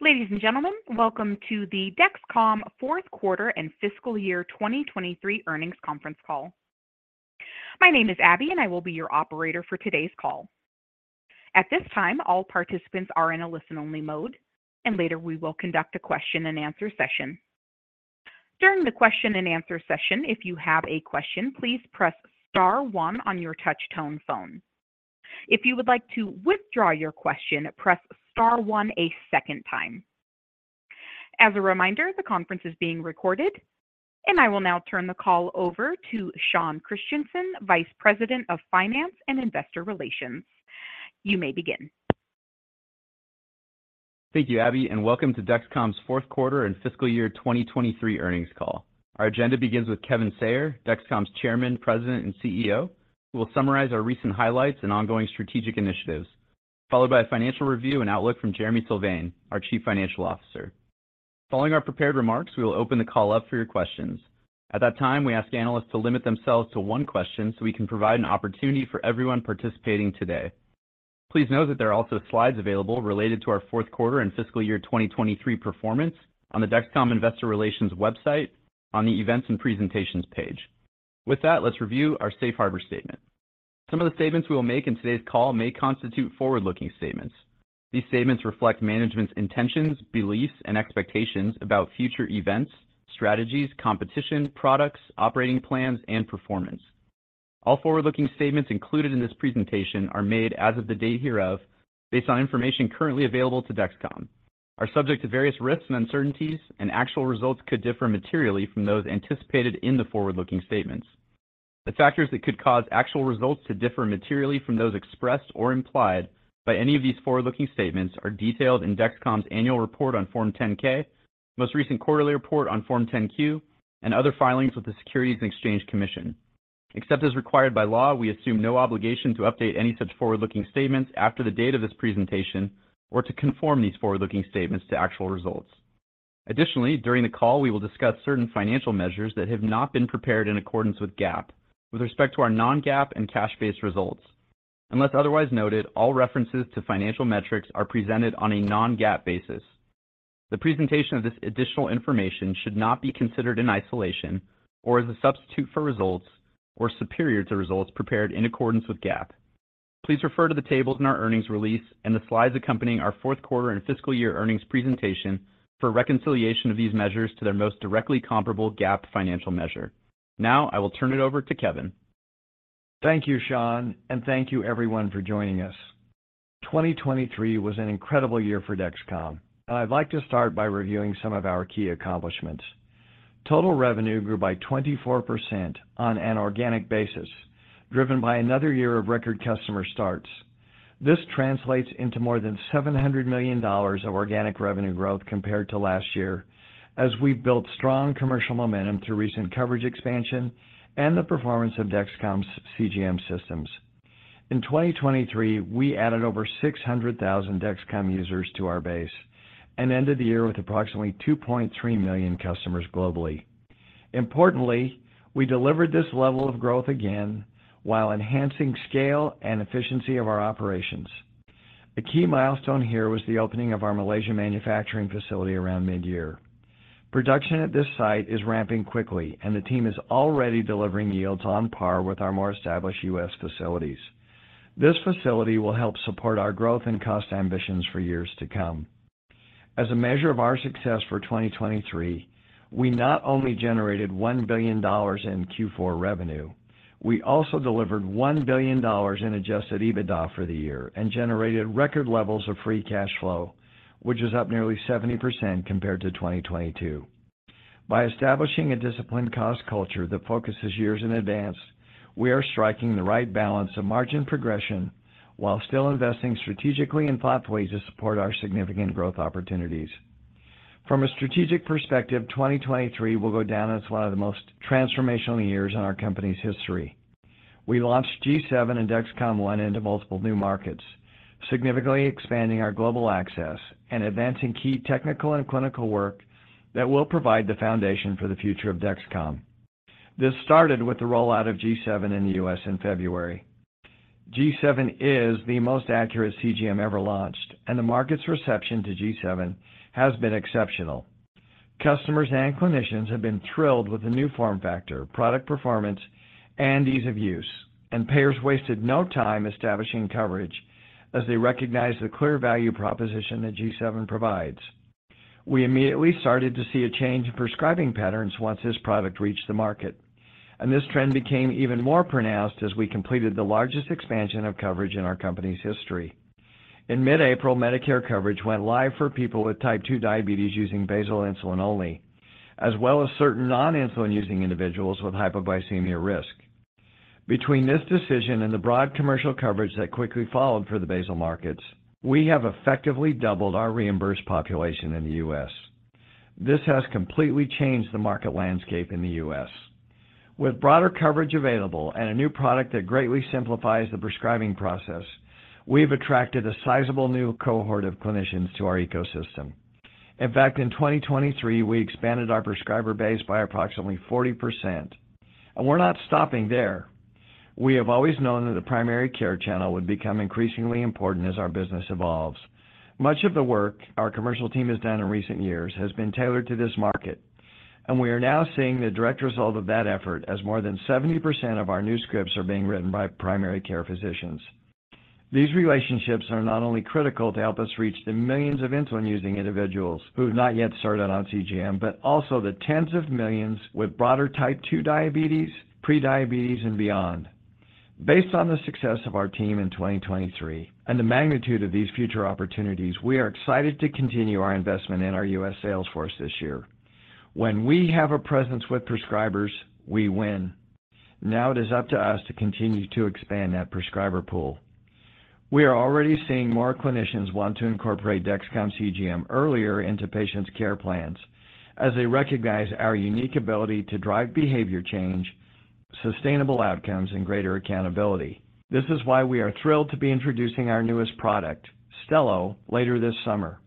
Ladies and gentlemen, welcome to the Dexcom fourth quarter and fiscal year 2023 earnings conference call. My name is Abby, and I will be your operator for today's call. At this time, all participants are in a listen-only mode, and later we will conduct a question-and-answer session. During the question-and-answer session, if you have a question, please press star 1 on your touch-tone phone. If you would like to withdraw your question, press star 1 a second time. As a reminder, the conference is being recorded, and I will now turn the call over to Sean Christensen, Vice President of Finance and Investor Relations. You may begin. Thank you, Abby, and welcome to Dexcom's Fourth Quarter and Fiscal Year 2023 Earnings Call. Our agenda begins with Kevin Sayer, Dexcom's Chairman, President, and CEO, who will summarize our recent highlights and ongoing strategic initiatives, followed by a financial review and outlook from Jereme Sylvain, our Chief Financial Officer. Following our prepared remarks, we will open the call up for your questions. At that time, we ask analysts to limit themselves to one question so we can provide an opportunity for everyone participating today. Please note that there are also slides available related to our fourth quarter and fiscal year 2023 performance on the Dexcom Investor Relations website on the Events and Presentations page. With that, let's review our Safe Harbor Statement. Some of the statements we will make in today's call may constitute forward-looking statements. These statements reflect management's intentions, beliefs, and expectations about future events, strategies, competition, products, operating plans, and performance. All forward-looking statements included in this presentation are made as of the date hereof based on information currently available to Dexcom and are subject to various risks and uncertainties, and actual results could differ materially from those anticipated in the forward-looking statements. The factors that could cause actual results to differ materially from those expressed or implied by any of these forward-looking statements are detailed in Dexcom's annual report on Form 10-K, most recent quarterly report on Form 10-Q, and other filings with the Securities and Exchange Commission. Except as required by law, we assume no obligation to update any such forward-looking statements after the date of this presentation or to conform these forward-looking statements to actual results. Additionally, during the call, we will discuss certain financial measures that have not been prepared in accordance with GAAP with respect to our non-GAAP and cash-based results. Unless otherwise noted, all references to financial metrics are presented on a non-GAAP basis. The presentation of this additional information should not be considered in isolation or as a substitute for results or superior to results prepared in accordance with GAAP. Please refer to the tables in our earnings release and the slides accompanying our fourth quarter and fiscal year earnings presentation for reconciliation of these measures to their most directly comparable GAAP financial measure. Now I will turn it over to Kevin. Thank you, Sean, and thank you everyone for joining us. 2023 was an incredible year for Dexcom, and I'd like to start by reviewing some of our key accomplishments. Total revenue grew by 24% on an organic basis, driven by another year of record customer starts. This translates into more than $700 million of organic revenue growth compared to last year as we've built strong commercial momentum through recent coverage expansion and the performance of Dexcom's CGM systems. In 2023, we added over 600,000 Dexcom users to our base and ended the year with approximately 2.3 million customers globally. Importantly, we delivered this level of growth again while enhancing scale and efficiency of our operations. A key milestone here was the opening of our Malaysia manufacturing facility around mid-year. Production at this site is ramping quickly, and the team is already delivering yields on par with our more established U.S. Facilities. This facility will help support our growth and cost ambitions for years to come. As a measure of our success for 2023, we not only generated $1 billion in Q4 revenue, we also delivered $1 billion in adjusted EBITDA for the year and generated record levels of free cash flow, which is up nearly 70% compared to 2022. By establishing a disciplined cost culture that focuses years in advance, we are striking the right balance of margin progression while still investing strategically in thoughtful ways to support our significant growth opportunities. From a strategic perspective, 2023 will go down as one of the most transformational years in our company's history. We launched G7 and Dexcom One into multiple new markets, significantly expanding our global access and advancing key technical and clinical work that will provide the foundation for the future of Dexcom. This started with the rollout of G7 in the U.S. in February. G7 is the most accurate CGM ever launched, and the market's reception to G7 has been exceptional. Customers and clinicians have been thrilled with the new form factor, product performance, and ease of use, and payers wasted no time establishing coverage as they recognized the clear value proposition that G7 provides. We immediately started to see a change in prescribing patterns once this product reached the market, and this trend became even more pronounced as we completed the largest expansion of coverage in our company's history. In mid-April, Medicare coverage went live for people with type 2 diabetes using basal insulin only, as well as certain non-insulin using individuals with hypoglycemia risk. Between this decision and the broad commercial coverage that quickly followed for the basal markets, we have effectively doubled our reimbursed population in the U.S. This has completely changed the market landscape in the U.S. With broader coverage available and a new product that greatly simplifies the prescribing process, we've attracted a sizable new cohort of clinicians to our ecosystem. In fact, in 2023, we expanded our prescriber base by approximately 40%, and we're not stopping there. We have always known that the primary care channel would become increasingly important as our business evolves. Much of the work our commercial team has done in recent years has been tailored to this market, and we are now seeing the direct result of that effort as more than 70% of our new scripts are being written by primary care physicians. These relationships are not only critical to help us reach the millions of insulin using individuals who have not yet started on CGM but also the tens of millions with broader Type 2 diabetes, prediabetes, and beyond. Based on the success of our team in 2023 and the magnitude of these future opportunities, we are excited to continue our investment in our U.S. sales force this year. When we have a presence with prescribers, we win. Now it is up to us to continue to expand that prescriber pool. We are already seeing more clinicians want to incorporate Dexcom CGM earlier into patients' care plans as they recognize our unique ability to drive behavior change, sustainable outcomes, and greater accountability. This is why we are thrilled to be introducing our newest product, Stelo, later this summer.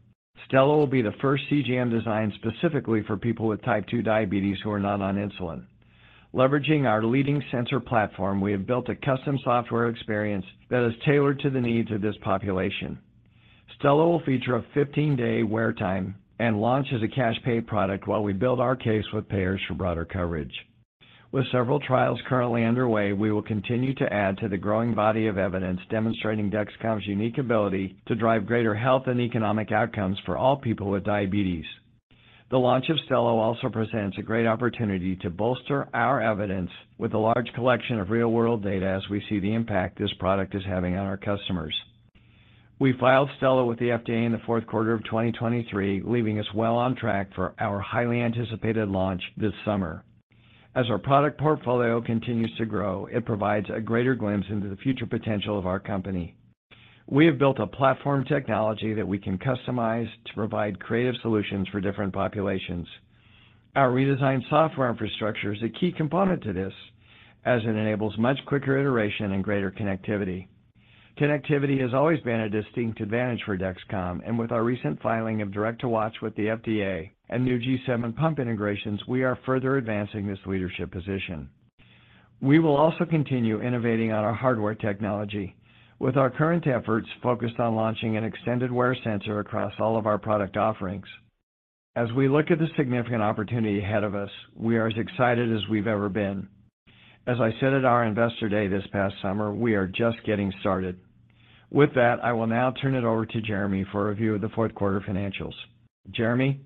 Stelo will be the first CGM designed specifically for people with Type 2 Diabetes who are not on insulin. Leveraging our leading sensor platform, we have built a custom software experience that is tailored to the needs of this population. Stelo will feature a 15-day wear time and launch as a cash-pay product while we build our case with payers for broader coverage. With several trials currently underway, we will continue to add to the growing body of evidence demonstrating Dexcom's unique ability to drive greater health and economic outcomes for all people with diabetes. The launch of Stelo also presents a great opportunity to bolster our evidence with a large collection of real-world data as we see the impact this product is having on our customers. We filed Stelo with the FDA in the fourth quarter of 2023, leaving us well on track for our highly anticipated launch this summer. As our product portfolio continues to grow, it provides a greater glimpse into the future potential of our company. We have built a platform technology that we can customize to provide creative solutions for different populations. Our redesigned software infrastructure is a key component to this as it enables much quicker iteration and greater connectivity. Connectivity has always been a distinct advantage for Dexcom, and with our recent filing of Direct to Watch with the FDA and new G7 pump integrations, we are further advancing this leadership position. We will also continue innovating on our hardware technology with our current efforts focused on launching an extended wear sensor across all of our product offerings. As we look at the significant opportunity ahead of us, we are as excited as we've ever been. As I said at our Investor Day this past summer, we are just getting started. With that, I will now turn it over to Jereme for a review of the fourth quarter financials. Jereme?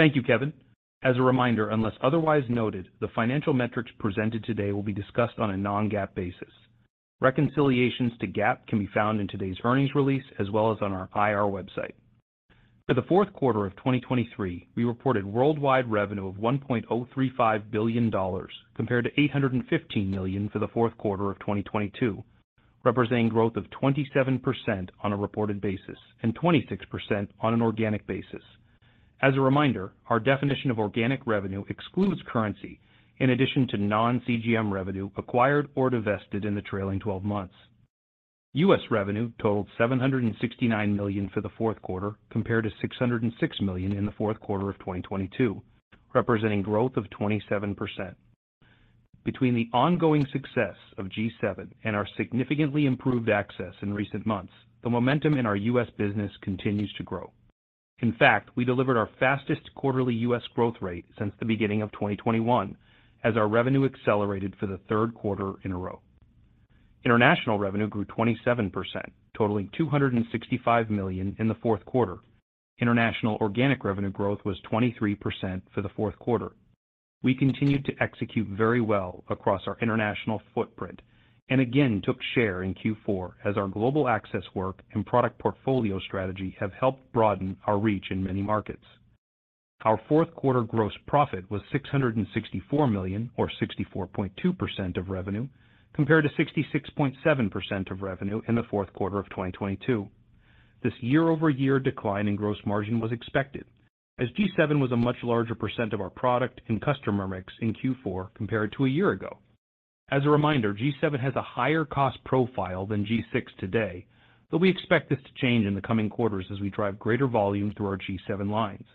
Thank you, Kevin. As a reminder, unless otherwise noted, the financial metrics presented today will be discussed on a non-GAAP basis. Reconciliations to GAAP can be found in today's earnings release as well as on our IR website. For the fourth quarter of 2023, we reported worldwide revenue of $1.035 billion compared to $815 million for the fourth quarter of 2022, representing growth of 27% on a reported basis and 26% on an organic basis. As a reminder, our definition of organic revenue excludes currency in addition to non-CGM revenue acquired or divested in the trailing 12 months. U.S. revenue totaled $769 million for the fourth quarter compared to $606 million in the fourth quarter of 2022, representing growth of 27%. Between the ongoing success of G7 and our significantly improved access in recent months, the momentum in our U.S. business continues to grow. In fact, we delivered our fastest quarterly U.S. growth rate since the beginning of 2021 as our revenue accelerated for the third quarter in a row. International revenue grew 27%, totaling $265 million in the fourth quarter. International organic revenue growth was 23% for the fourth quarter. We continued to execute very well across our international footprint and again took share in Q4 as our global access work and product portfolio strategy have helped broaden our reach in many markets. Our fourth quarter gross profit was $664 million or 64.2% of revenue compared to 66.7% of revenue in the fourth quarter of 2022. This year-over-year decline in gross margin was expected as G7 was a much larger percent of our product and customer mix in Q4 compared to a year ago. As a reminder, G7 has a higher cost profile than G6 today, though we expect this to change in the coming quarters as we drive greater volume through our G7 lines.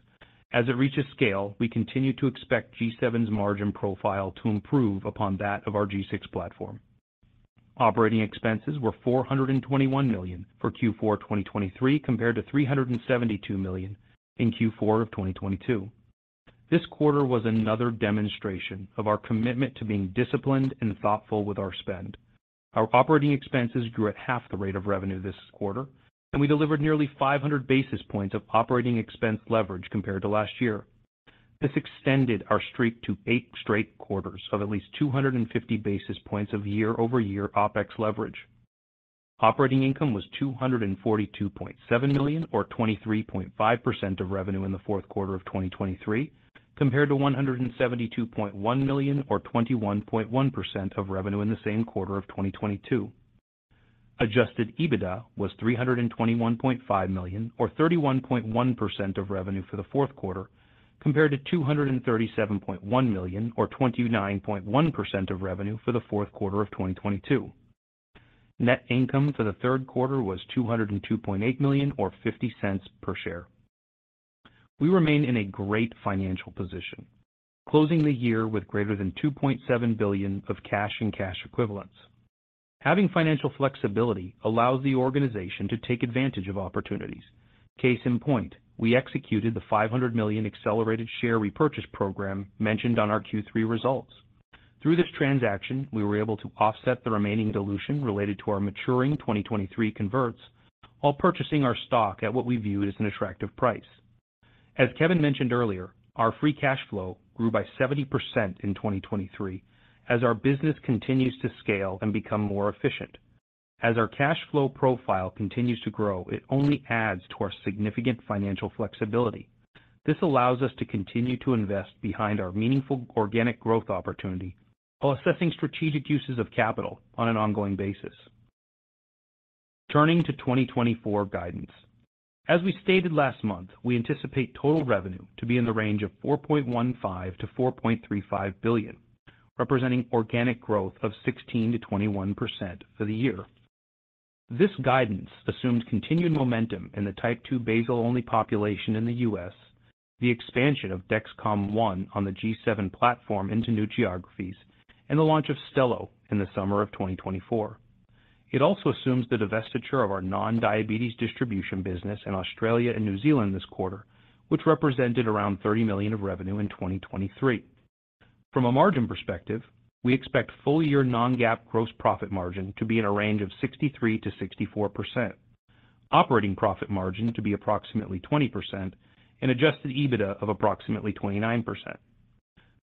As it reaches scale, we continue to expect G7's margin profile to improve upon that of our G6 platform. Operating expenses were $421 million for Q4 2023 compared to $372 million in Q4 of 2022. This quarter was another demonstration of our commitment to being disciplined and thoughtful with our spend. Our operating expenses grew at half the rate of revenue this quarter, and we delivered nearly 500 basis points of operating expense leverage compared to last year. This extended our streak to eight straight quarters of at least 250 basis points of year-over-year OpEx leverage. Operating income was $242.7 million or 23.5% of revenue in the fourth quarter of 2023 compared to $172.1 million or 21.1% of revenue in the same quarter of 2022. Adjusted EBITDA was $321.5 million or 31.1% of revenue for the fourth quarter compared to $237.1 million or 29.1% of revenue for the fourth quarter of 2022. Net income for the third quarter was $202.8 million or $0.50 per share. We remain in a great financial position, closing the year with greater than $2.7 billion of cash and cash equivalents. Having financial flexibility allows the organization to take advantage of opportunities. Case in point, we executed the $500 million accelerated share repurchase program mentioned on our Q3 results. Through this transaction, we were able to offset the remaining dilution related to our maturing 2023 converts while purchasing our stock at what we viewed as an attractive price. As Kevin mentioned earlier, our free cash flow grew by 70% in 2023 as our business continues to scale and become more efficient. As our cash flow profile continues to grow, it only adds to our significant financial flexibility. This allows us to continue to invest behind our meaningful organic growth opportunity while assessing strategic uses of capital on an ongoing basis. Turning to 2024 guidance. As we stated last month, we anticipate total revenue to be in the range of $4.15-$4.35 billion, representing organic growth of 16%-21% for the year. This guidance assumes continued momentum in the Type 2 basal-only population in the U.S., the expansion of Dexcom One on the G7 platform into new geographies, and the launch of Stelo in the summer of 2024. It also assumes the divestiture of our non-diabetes distribution business in Australia and New Zealand this quarter, which represented around $30 million of revenue in 2023. From a margin perspective, we expect full-year Non-GAAP gross profit margin to be in a range of 63%-64%, operating profit margin to be approximately 20%, and adjusted EBITDA of approximately 29%.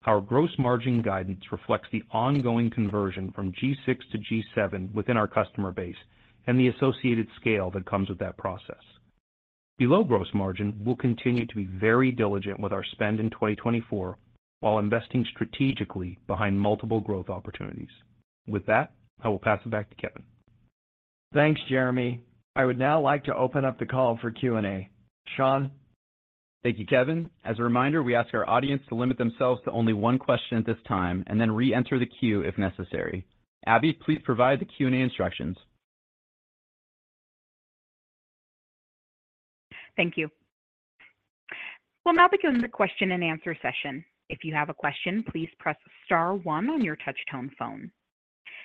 Our gross margin guidance reflects the ongoing conversion from G6 to G7 within our customer base and the associated scale that comes with that process. Below gross margin, we'll continue to be very diligent with our spend in 2024 while investing strategically behind multiple growth opportunities. With that, I will pass it back to Kevin. Thanks, Jereme. I would now like to open up the call for Q&A. Sean? Thank you, Kevin. As a reminder, we ask our audience to limit themselves to only one question at this time and then re-enter the queue if necessary. Abby, please provide the Q&A instructions. Thank you. We'll now begin the question-and-answer session. If you have a question, please press star 1 on your touch-tone phone.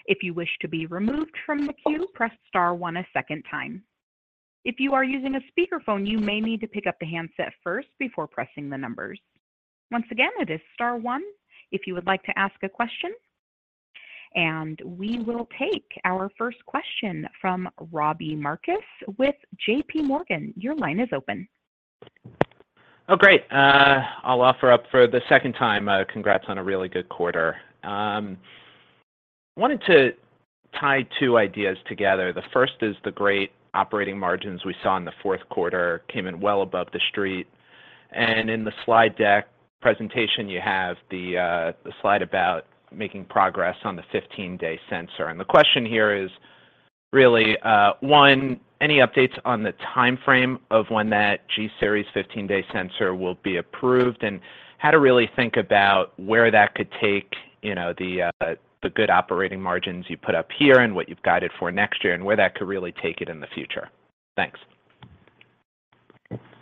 If you wish to be removed from the queue, press star 1 a second time. If you are using a speakerphone, you may need to pick up the handset first before pressing the numbers. Once again, it is star 1 if you would like to ask a question. We will take our first question from Robbie Marcus with JP Morgan. Your line is open. Oh, great. I'll offer up for the second time. Congrats on a really good quarter. I wanted to tie two ideas together. The first is the great operating margins we saw in the fourth quarter came in well above the street. In the slide deck presentation, you have the slide about making progress on the 15-day sensor. The question here is really, one, any updates on the timeframe of when that G-series 15-day sensor will be approved, and how to really think about where that could take the good operating margins you put up here and what you've guided for next year, and where that could really take it in the future. Thanks.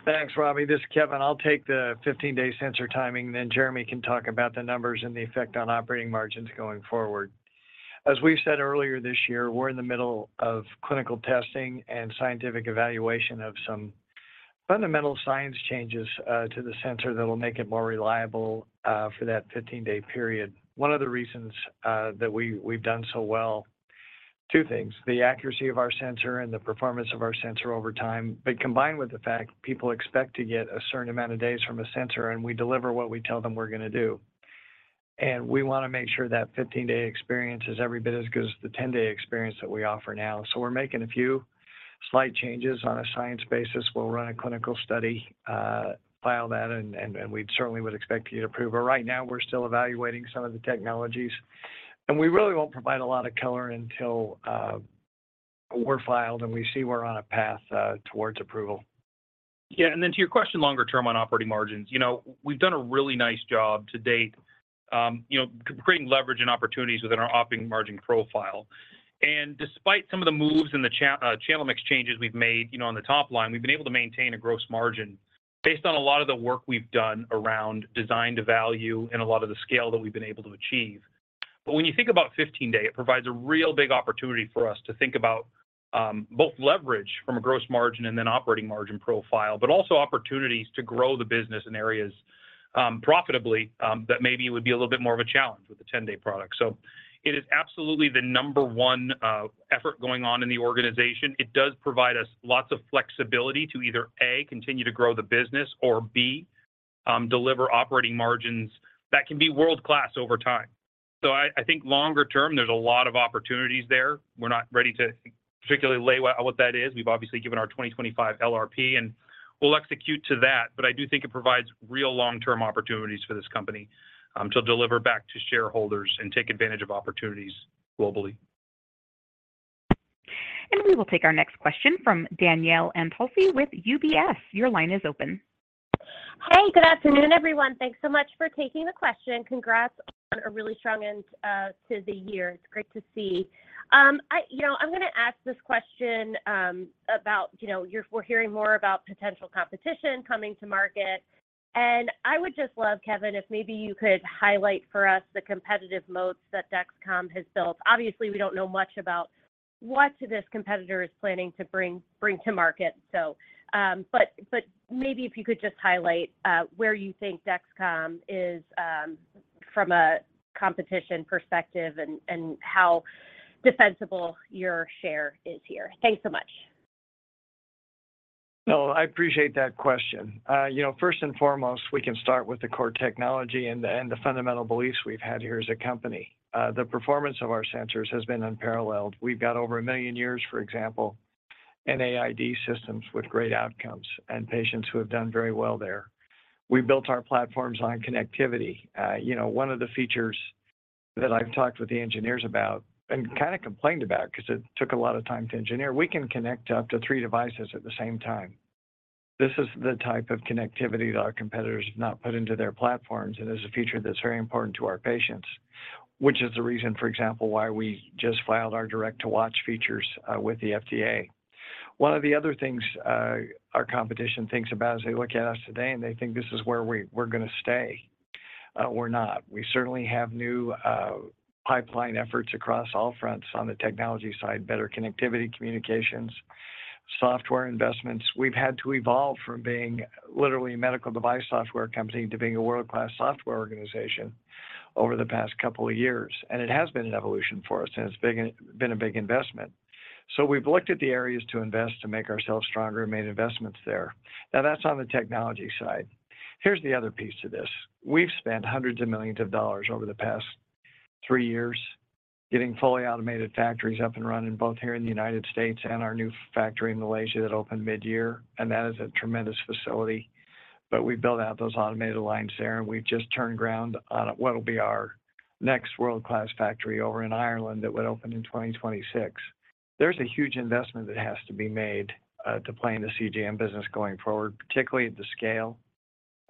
Thanks, Robbie. This is Kevin. I'll take the 15-day sensor timing, and then Jereme can talk about the numbers and the effect on operating margins going forward. As we said earlier this year, we're in the middle of clinical testing and scientific evaluation of some fundamental science changes to the sensor that'll make it more reliable for that 15-day period. One of the reasons that we've done so well is two things: the accuracy of our sensor and the performance of our sensor over time, but combined with the fact people expect to get a certain amount of days from a sensor, and we deliver what we tell them we're going to do. And we want to make sure that 15-day experience is every bit as good as the 10-day experience that we offer now. So we're making a few slight changes on a science basis. We'll run a clinical study, file that, and we certainly would expect you to approve. But right now, we're still evaluating some of the technologies, and we really won't provide a lot of color until we're filed and we see we're on a path towards approval. Yeah. Then to your question longer term on operating margins, we've done a really nice job to date creating leverage and opportunities within our operating margin profile. Despite some of the moves and the channel mix changes we've made on the top line, we've been able to maintain a gross margin based on a lot of the work we've done around design to value and a lot of the scale that we've been able to achieve. When you think about 15-day, it provides a real big opportunity for us to think about both leverage from a gross margin and then operating margin profile, but also opportunities to grow the business in areas profitably that maybe would be a little bit more of a challenge with the 10-day product. So it is absolutely the number one effort going on in the organization. It does provide us lots of flexibility to either, A, continue to grow the business, or, B, deliver operating margins that can be world-class over time. So I think longer term, there's a lot of opportunities there. We're not ready to particularly lay out what that is. We've obviously given our 2025 LRP, and we'll execute to that. I do think it provides real long-term opportunities for this company to deliver back to shareholders and take advantage of opportunities globally. We will take our next question from Danielle Antalffy with UBS. Your line is open. Hi. Good afternoon, everyone. Thanks so much for taking the question. Congrats on a really strong end to the year. It's great to see. I'm going to ask this question about. We're hearing more about potential competition coming to market. I would just love, Kevin, if maybe you could highlight for us the competitive moats that Dexcom has built. Obviously, we don't know much about what this competitor is planning to bring to market, so. Maybe if you could just highlight where you think Dexcom is from a competition perspective and how defensible your share is here. Thanks so much. No, I appreciate that question. First and foremost, we can start with the core technology and the fundamental beliefs we've had here as a company. The performance of our sensors has been unparalleled. We've got over 1 million years, for example, in AID systems with great outcomes and patients who have done very well there. We built our platforms on connectivity. One of the features that I've talked with the engineers about and kind of complained about because it took a lot of time to engineer, we can connect up to three devices at the same time. This is the type of connectivity that our competitors have not put into their platforms, and it's a feature that's very important to our patients, which is the reason, for example, why we just filed our direct-to-watch features with the FDA. One of the other things our competition thinks about as they look at us today, and they think this is where we're going to stay, we're not. We certainly have new pipeline efforts across all fronts on the technology side: better connectivity, communications, software investments. We've had to evolve from being literally a medical device software company to being a world-class software organization over the past couple of years. It has been an evolution for us, and it's been a big investment. We've looked at the areas to invest to make ourselves stronger and made investments there. Now, that's on the technology side. Here's the other piece to this. We've spent $hundreds of millions over the past three years getting fully automated factories up and running both here in the United States and our new factory in Malaysia that opened mid-year. That is a tremendous facility. But we've built out those automated lines there, and we've just broken ground on what'll be our next world-class factory over in Ireland that would open in 2026. There's a huge investment that has to be made to play in the CGM business going forward, particularly at the scale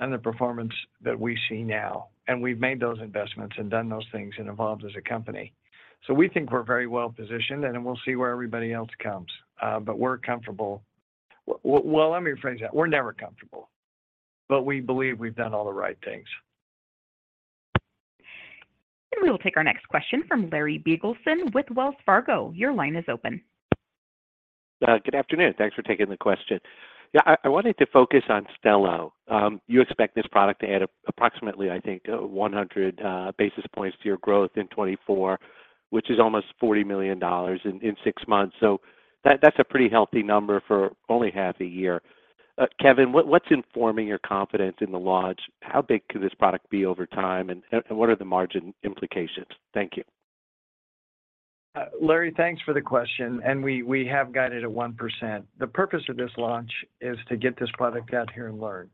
and the performance that we see now. We've made those investments and done those things and evolved as a company. We think we're very well positioned, and we'll see where everybody else comes. But we're comfortable well, let me rephrase that. We're never comfortable. But we believe we've done all the right things. We will take our next question from Larry Biegelsen with Wells Fargo. Your line is open. Good afternoon. Thanks for taking the question. Yeah, I wanted to focus on Stelo. You expect this product to add approximately, I think, 100 basis points to your growth in 2024, which is almost $40 million in six months. That's a pretty healthy number for only half a year. Kevin, what's informing your confidence in the launch? How big could this product be over time, and what are the margin implications? Thank you. Larry, thanks for the question. We have guided at 1%. The purpose of this launch is to get this product out here and learn.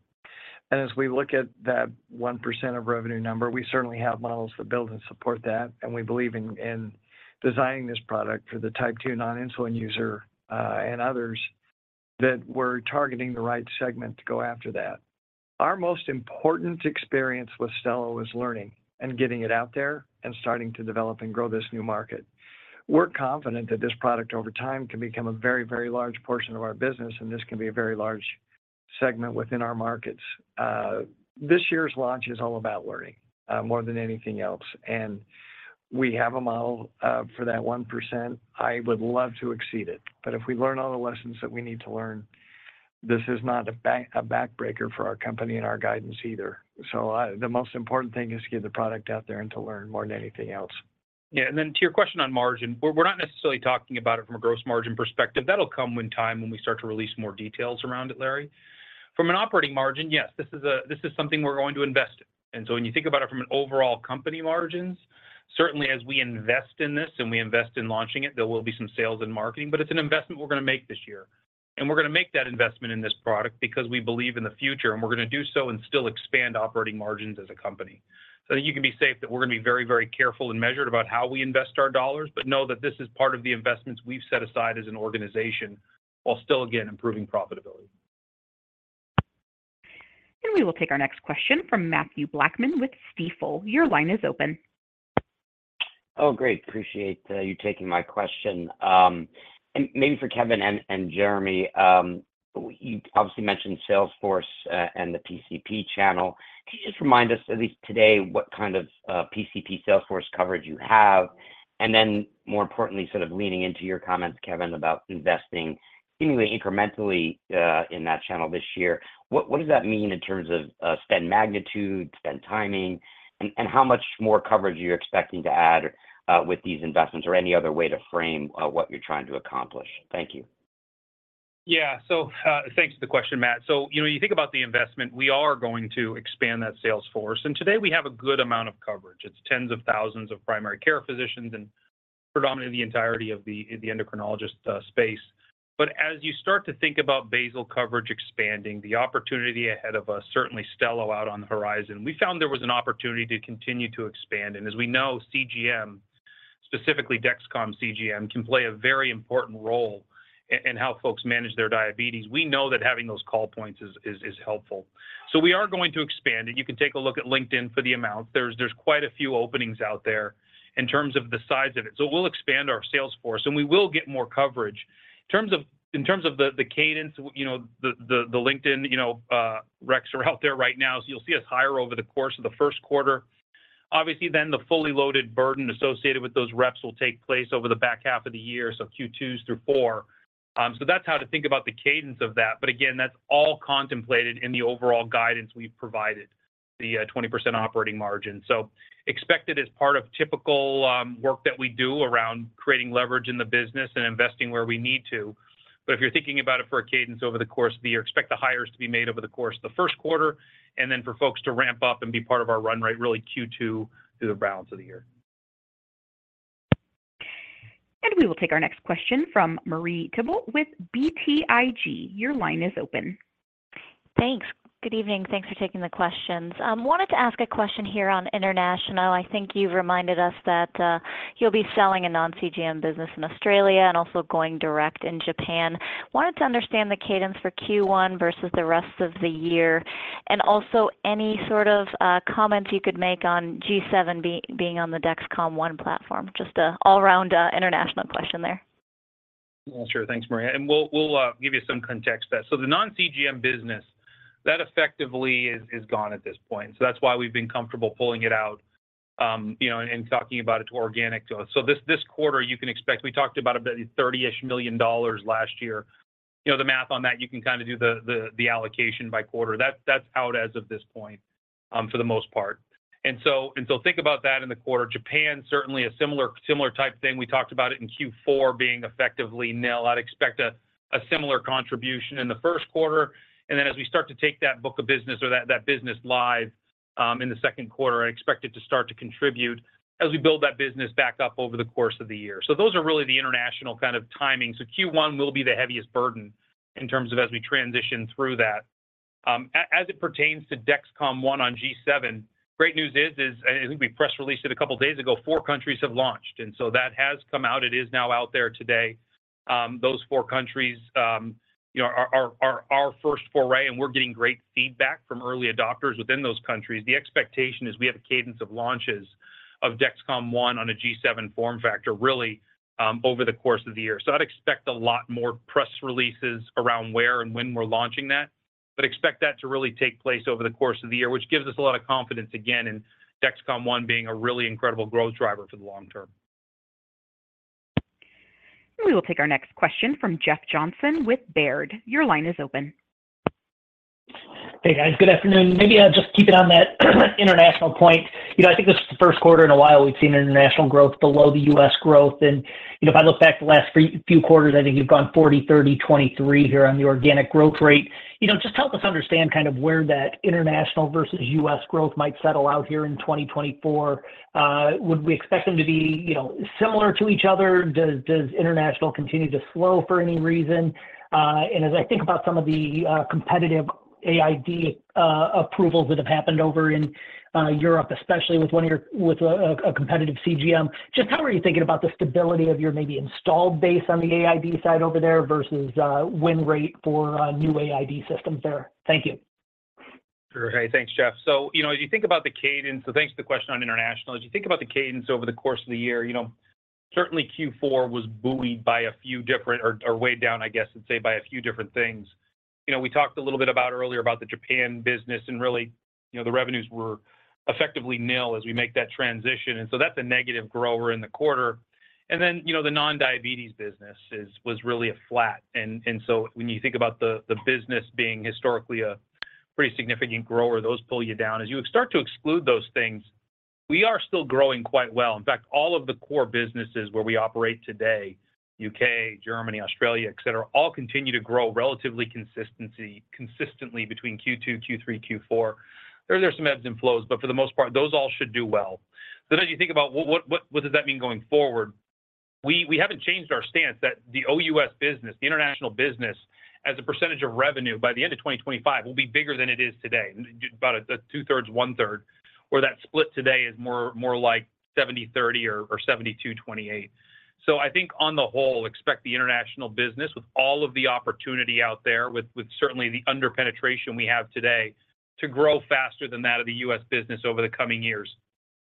As we look at that 1% of revenue number, we certainly have models that build and support that. We believe in designing this product for the Type 2 non-insulin user and others that we're targeting the right segment to go after that. Our most important experience with Stelo was learning and getting it out there and starting to develop and grow this new market. We're confident that this product, over time, can become a very, very large portion of our business, and this can be a very large segment within our markets. This year's launch is all about learning more than anything else. We have a model for that 1%. I would love to exceed it. If we learn all the lessons that we need to learn, this is not a backbreaker for our company and our guidance either. So the most important thing is to get the product out there and to learn more than anything else. Yeah. To your question on margin, we're not necessarily talking about it from a gross margin perspective. That'll come in time when we start to release more details around it, Larry. From an operating margin, yes, this is something we're uncertain. When you think about it from an overall company margins, certainly as we invest in this and we invest in launching it, there will be some sales and marketing. But it's an investment we're going to make this year. And we're going to make that investment in this product because we believe in the future, and we're going to do so and still expand operating margins as a company. I think you can be safe that we're going to be very, very careful and measured about how we invest our dollars, but know that this is part of the investments we've set aside as an organization while still, again, improving profitability. We will take our next question from Matthew Blackman with Stifel. Your line is open. Oh, great. Appreciate you taking my question. Maybe for Kevin and Jereme, you obviously mentioned Sales force and the PCP channel. Can you just remind us, at least today, what kind of PCP Salesforce coverage you have? Then more importantly, sort of leaning into your comments, Kevin, about investing seemingly incrementally in that channel this year, what does that mean in terms of spend magnitude, spend timing, and how much more coverage are you expecting to add with these investments or any other way to frame what you're trying to accomplish? Thank you. Yeah. Thanks for the question, Matt. So you think about the investment, we are going to expand that sales force. Today, we have a good amount of coverage. It's tens of thousands of primary care physicians and predominantly the entirety of the endocrinologist space. But as you start to think about basal coverage expanding, the opportunity ahead of us, certainly Stelo out on the horizon, we found there was an opportunity to continue to expand. As we know, CGM, specifically Dexcom CGM, can play a very important role in how folks manage their diabetes. We know that having those call points is helpful. So we are going to expand it. You can take a look at LinkedIn for the amounts. There's quite a few openings out there in terms of the size of it. We'll expand our sales force, and we will get more coverage. In terms of the cadence, the LinkedIn reps are out there right now. So you'll see us hire over the course of the first quarter. Obviously, then the fully loaded burden associated with those reps will take place over the back half of the year, so Q2 through 4. So that's how to think about the cadence of that. But again, that's all contemplated in the overall guidance we've provided, the 20% operating margin. So expect it as part of typical work that we do around creating leverage in the business and investing where we need to. But if you're thinking about it for a cadence over the course of the year, expect the hires to be made over the course of the first quarter and then for folks to ramp up and be part of our run rate really Q2 through the balance of the year. We will take our next question from Marie Thibault with BTIG. Your line is open. Thanks. Good evening. Thanks for taking the questions. Wanted to ask a question here on international. I think you've reminded us that you'll be selling a non-CGM business in Australia and also going direct in Japan. Wanted to understand the cadence for Q1 versus the rest of the year and also any sort of comments you could make on G7 being on the Dexcom One platform, just an all-around international question there. Sure. Thanks, Maria. We'll give you some context to that. The non-CGM business, that effectively is gone at this point. That's why we've been comfortable pulling it out and talking about it to organic growth. This quarter, you can expect we talked about about $30-ish million last year. The math on that, you can kind of do the allocation by quarter. That's out as of this point for the most part. Think about that in the quarter. Japan, certainly a similar type thing. We talked about it in Q4 being effectively nil. I'd expect a similar contribution in the first quarter. And then as we start to take that book of business or that business live in the second quarter, I expect it to start to contribute as we build that business back up over the course of the year. Those are really the international kind of timing. So Q1 will be the heaviest burden in terms of as we transition through that. As it pertains to Dexcom One on G7, great news is, and I think we press-released it a couple of days ago, four countries have launched. That has come out. It is now out there today. Those four countries are our first foray, and we're getting great feedback from early adopters within those countries. The expectation is we have a cadence of launches of Dexcom One on a G7 form factor really over the course of the year. I'd expect a lot more press releases around where and when we're launching that, but expect that to really take place over the course of the year, which gives us a lot of confidence, again, in Dexcom One being a really incredible growth driver for the long term. We will take our next question from Jeff Johnson with Baird. Your line is open. Hey, guys. Good afternoon. Maybe I'll just keep it on that international point. I think this is the first quarter in a while we've seen international growth below the U.S. growth. If I look back the last few quarters, I think you've gone 40, 30, 23 here on the organic growth rate. Just help us understand kind of where that international versus U.S. growth might settle out here in 2024. Would we expect them to be similar to each other? Does international continue to slow for any reason? And as I think about some of the competitive AID approvals that have happened over in Europe, especially with a competitive CGM, just how are you thinking about the stability of your maybe installed base on the AID side over there versus win rate for new AID systems there? Thank you. Sure. Hey, thanks, Jeff. As you think about the cadence so thanks for the question on international. As you think about the cadence over the course of the year, certainly Q4 was buoyed by a few different or weighed down, I guess I'd say, by a few different things. We talked a little bit about earlier about the Japan business, and really, the revenues were effectively nil as we make that transition. That's a negative grower in the quarter. And then the non-diabetes business was really a flat. Then you think about the business being historically a pretty significant grower, those pull you down. As you start to exclude those things, we are still growing quite well. In fact, all of the core businesses where we operate today - U.K., Germany, Australia, etc. - all continue to grow relatively consistently between Q2, Q3, Q4. There are some ebbs and flows, but for the most part, those all should do well. Then as you think about what does that mean going forward, we haven't changed our stance that the OUS business, the international business, as a percentage of revenue by the end of 2025 will be bigger than it is today, about a two-thirds, one-third, where that split today is more like 70/30 or 72/28. So I think on the whole, expect the international business with all of the opportunity out there, with certainly the underpenetration we have today, to grow faster than that of the U.S. business over the coming years.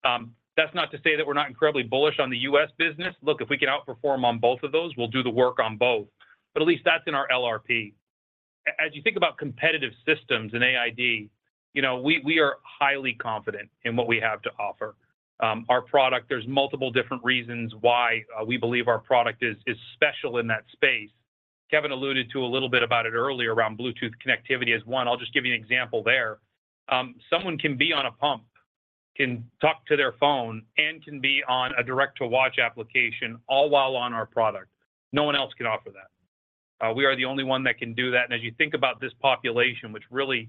That's not to say that we're not incredibly bullish on the U.S. business. Look, if we can outperform on both of those, we'll do the work on both. But at least that's in our LRP. As you think about competitive systems in AID, we are highly confident in what we have to offer. Our product, there's multiple different reasons why we believe our product is special in that space. Kevin alluded to a little bit about it earlier around Bluetooth connectivity as one. I'll just give you an example there. Someone can be on a pump, can talk to their phone, and can be on a direct-to-watch application all while on our product. No one else can offer that. We are the only one that can do that. And as you think about this population, which really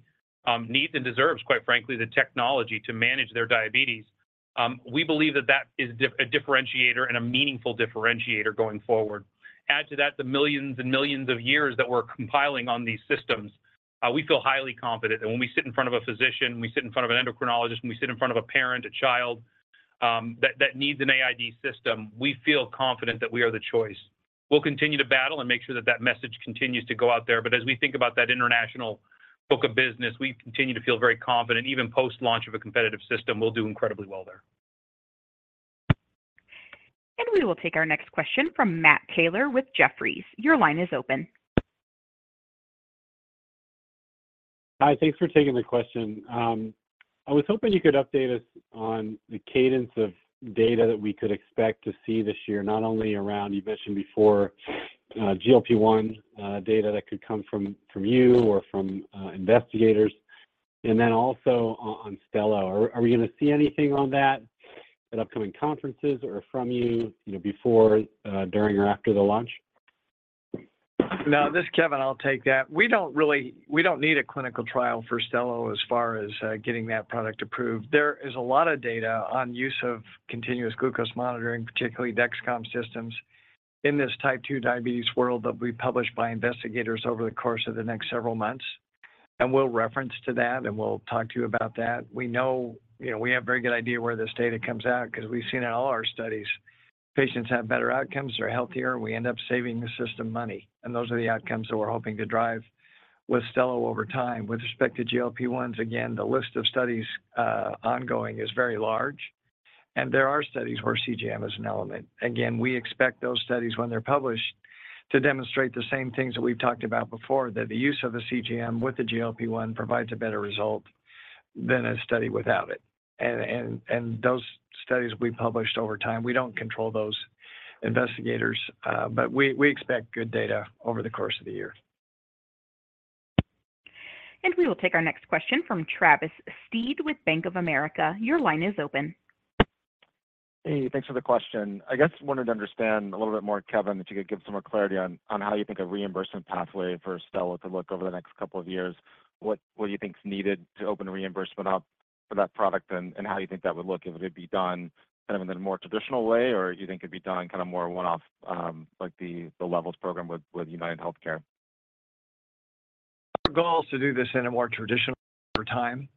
needs and deserves, quite frankly, the technology to manage their diabetes, we believe that that is a differentiator and a meaningful differentiator going forward. Add to that the millions and millions of years that we're compiling on these systems. We feel highly confident that when we sit in front of a physician, when we sit in front of an endocrinologist, when we sit in front of a parent, a child that needs an AID system, we feel confident that we are the choice. We'll continue to battle and make sure that that message continues to go out there. But as we think about that international book of business, we continue to feel very confident, even post-launch of a competitive system. We'll do incredibly well there. We will take our next question from Matt Taylor with Jefferies. Your line is open. Hi. Thanks for taking the question. I was hoping you could update us on the cadence of data that we could expect to see this year, not only around you mentioned before GLP-1 data that could come from you or from investigators, and then also on Stelo. Are we going to see anything on that at upcoming conferences or from you before, during, or after the launch? No, this is Kevin. I'll take that. We don't need a clinical trial for Stelo as far as getting that product approved. There is a lot of data on use of continuous glucose monitoring, particularly Dexcom systems, in this type 2 diabetes world that will be published by investigators over the course of the next several months. We'll reference to that, and we'll talk to you about that. We know we have a very good idea where this data comes out because we've seen in all our studies, patients have better outcomes, they're healthier, and we end up saving the system money. Those are the outcomes that we're hoping to drive with Stelo over time. With respect to GLP-1s, again, the list of studies ongoing is very large. There are studies where CGM is an element. Again, we expect those studies, when they're published, to demonstrate the same things that we've talked about before, that the use of the CGM with the GLP-1 provides a better result than a study without it. And those studies we published over time, we don't control those investigators, but we expect good data over the course of the year. We will take our next question from Travis Steed with Bank of America. Your line is open. Hey, thanks for the question. I guess wanted to understand a little bit more, Kevin, if you could give some more clarity on how you think a reimbursement pathway for Stelo could look over the next couple of years, what do you think's needed to open reimbursement up for that product, and how you think that would look if it had been done kind of in a more traditional way, or you think it'd be done kind of more one-off, like the Levels program with UnitedHealthcare? Our goal is to do this in a more traditional way over time.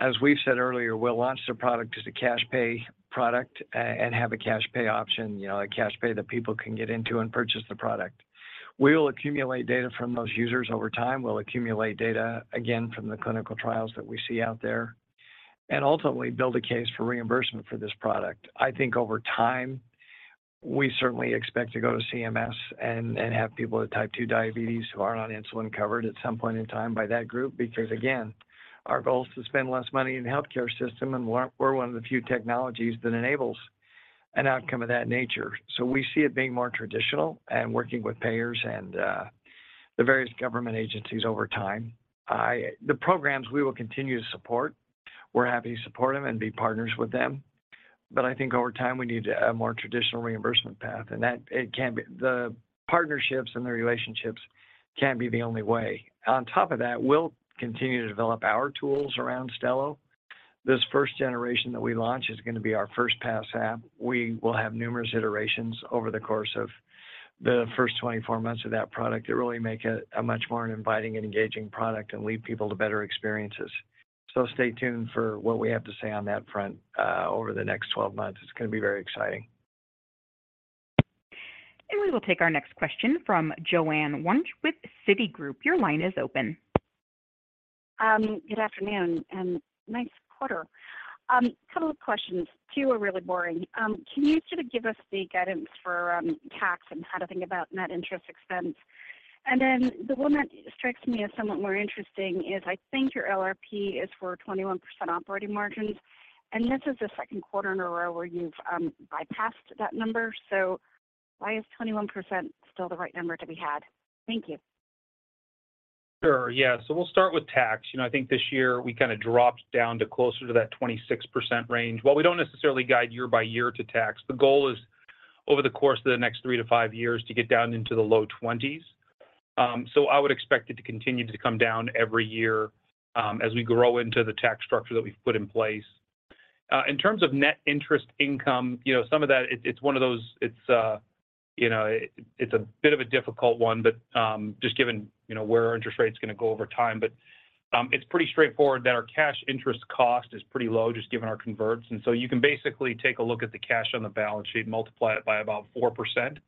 As we've said earlier, we'll launch the product as a cash-pay product and have a cash-pay option, a cash-pay that people can get into and purchase the product. We'll accumulate data from those users over time. We'll accumulate data, again, from the clinical trials that we see out there, and ultimately build a case for reimbursement for this product. I think over time, we certainly expect to go to CMS and have people with type 2 diabetes who aren't on insulin covered at some point in time by that group because, again, our goal is to spend less money in the healthcare system, and we're one of the few technologies that enables an outcome of that nature. We see it being more traditional and working with payers and the various government agencies over time. The programs, we will continue to support. We're happy to support them and be partners with them. But I think over time, we need a more traditional reimbursement path, and the partnerships and the relationships can't be the only way. On top of that, we'll continue to develop our tools around Stelo. This first generation that we launch is going to be our first-pass app. We will have numerous iterations over the course of the first 24 months of that product that really make it a much more inviting and engaging product and lead people to better experiences. So stay tuned for what we have to say on that front over the next 12 months. It's going to be very exciting. We will take our next question from Joanne Wuensch with Citigroup. Your line is open. Good afternoon. Nice quarter. A couple of questions. Two are really boring. Can you sort of give us the guidance for tax and how to think about net interest expense? And then the one that strikes me as somewhat more interesting is I think your LRP is for 21% operating margins. And this is the second quarter in a row where you've bypassed that number. So why is 21% still the right number to be had? Thank you. Sure. Yeah. So we'll start with tax. I think this year, we kind of dropped down to closer to that 26% range. Well, we don't necessarily guide year by year to tax. The goal is over the course of the next 3-5 years to get down into the low 20s. I would expect it to continue to come down every year as we grow into the tax structure that we've put in place. In terms of net interest income, some of that, it's one of those a bit of a difficult one, just given where our interest rate's going to go over time. But it's pretty straightforward that our cash interest cost is pretty low, just given our converts. So you can basically take a look at the cash on the balance sheet, multiply it by about 4%,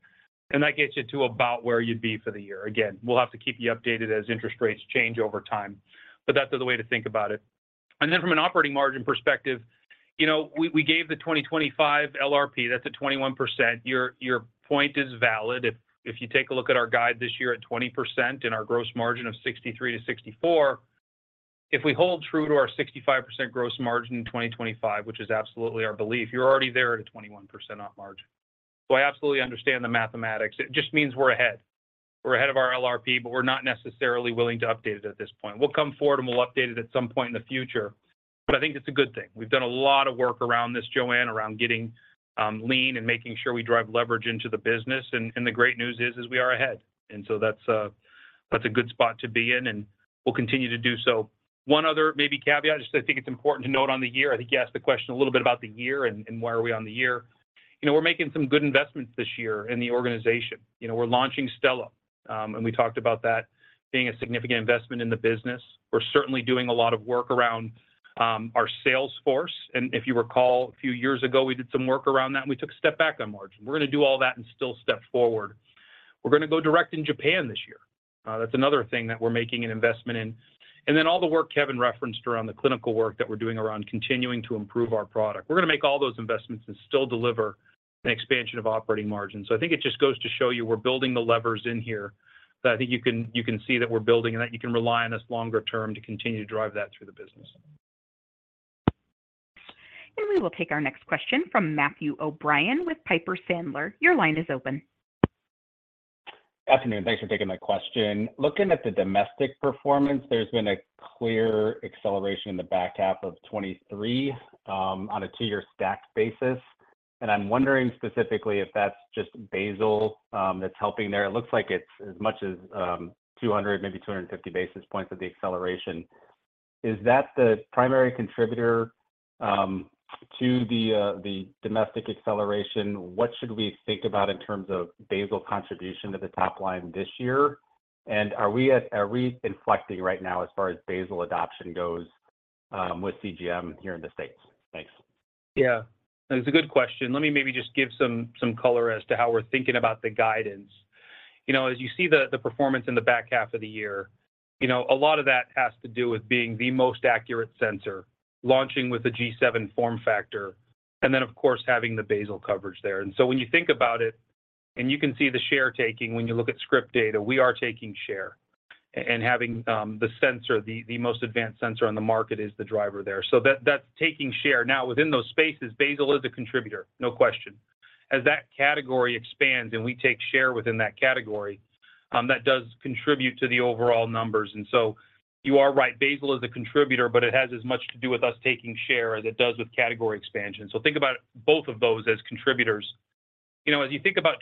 and that gets you to about where you'd be for the year. Again, we'll have to keep you updated as interest rates change over time, but that's the way to think about it. Then from an operating margin perspective, we gave the 2025 LRP. That's at 21%. Your point is valid. If you take a look at our guide this year at 20% and our gross margin of 63%-64%, if we hold true to our 65% gross margin in 2025, which is absolutely our belief, you're already there at a 21% operating margin. So I absolutely understand the mathematics. It just means we're ahead. We're ahead of our LRP, but we're not necessarily willing to update it at this point. We'll come forward, and we'll update it at some point in the future. But I think it's a good thing. We've done a lot of work around this, Joanne, around getting lean and making sure we drive leverage into the business. And the great news is we are ahead. And so that's a good spot to be in, and we'll continue to do so. One other maybe caveat, just I think it's important to note on the year. I think you asked the question a little bit about the year and where are we on the year. We're making some good investments this year in the organization. We're launching Stelo, and we talked about that being a significant investment in the business. We're certainly doing a lot of work around our sales force. If you recall, a few years ago, we did some work around that, and we took a step back on margin. We're going to do all that and still step forward. We're going to go direct in Japan this year. That's another thing that we're making an investment in. And then all the work Kevin referenced around the clinical work that we're doing around continuing to improve our product, we're going to make all those investments and still deliver an expansion of operating margin. I think it just goes to show you we're building the levers in here that I think you can see that we're building and that you can rely on us longer term to continue to drive that through the business. We will take our next question from Matthew O'Brien with Piper Sandler. Your line is open. Afternoon. Thanks for taking my question. Looking at the domestic performance, there's been a clear acceleration in the back half of 2023 on a two-year stacked basis. And I'm wondering specifically if that's just basal that's helping there. It looks like it's as much as 200, maybe 250 basis points of the acceleration. Is that the primary contributor to the domestic acceleration? What should we think about in terms of basal contribution to the top line this year? And are we inflecting right now as far as basal adoption goes with CGM here in the States? Thanks. Yeah. That was a good question. Let me maybe just give some color as to how we're thinking about the guidance. As you see the performance in the back half of the year, a lot of that has to do with being the most accurate sensor, launching with a G7 form factor, and then, of course, having the basal coverage there. When you think about it and you can see the share taking, when you look at script data, we are taking share. And having the sensor, the most advanced sensor on the market, is the driver there. So that's taking share. Now, within those spaces, basal is a contributor, no question. As that category expands and we take share within that category, that does contribute to the overall numbers. You are right, basal is a contributor, but it has as much to do with us taking share as it does with category expansion. So think about both of those as contributors. As you think about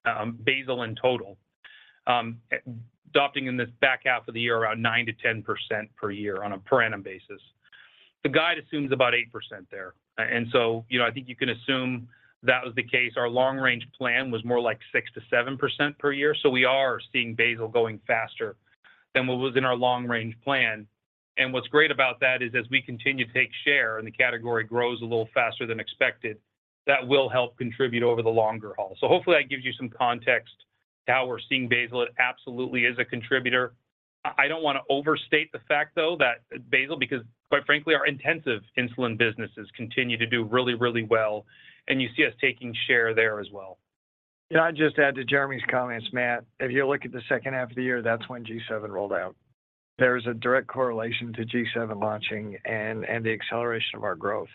2024, we've talked a little bit about the adoption rate, basal in total, adopting in this back half of the year around 9%-10% per year on a per annum basis. The guide assumes about 8% there. And so I think you can assume that was the case. Our long-range plan was more like 6%-7% per year. So we are seeing basal going faster than what was in our long-range plan. And what's great about that is as we continue to take share and the category grows a little faster than expected, that will help contribute over the longer haul. Hopefully, that gives you some context to how we're seeing basal. It absolutely is a contributor. I don't want to overstate the fact, though, that basal because, quite frankly, our intensive insulin businesses continue to do really, really well. You see us taking share there as well. Can I just add to Jereme's comments, Matt? If you look at the second half of the year, that's when G7 rolled out. There is a direct correlation to G7 launching and the acceleration of our growth.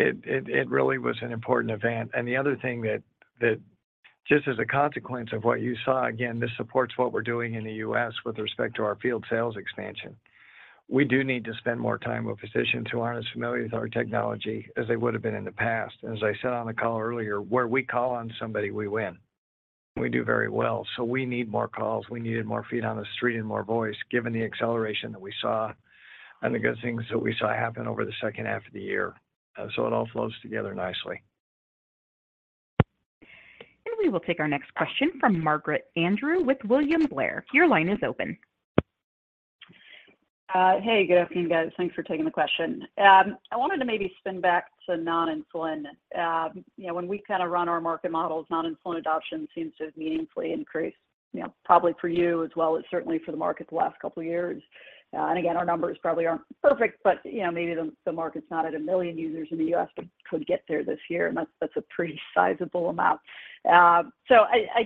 It really was an important event. The other thing that just as a consequence of what you saw, again, this supports what we're doing in the U.S. with respect to our field sales expansion. We do need to spend more time with physicians who aren't as familiar with our technology as they would have been in the past. And as I said on the call earlier, where we call on somebody, we win. We do very well. So we need more calls. We needed more feet on the street and more voice given the acceleration that we saw and the good things that we saw happen over the second half of the year. So it all flows together nicely. We will take our next question from Margaret Andrew with William Blair. Your line is open. Hey, good afternoon, guys. Thanks for taking the question. I wanted to maybe spin back to non-insulin. When we kind of run our market models, non-insulin adoption seems to have meaningfully increased, probably for you as well as certainly for the market the last couple of years. Again, our numbers probably aren't perfect, but maybe the market's not at 1 million users in the U.S. but could get there this year. That's a pretty sizable amount. I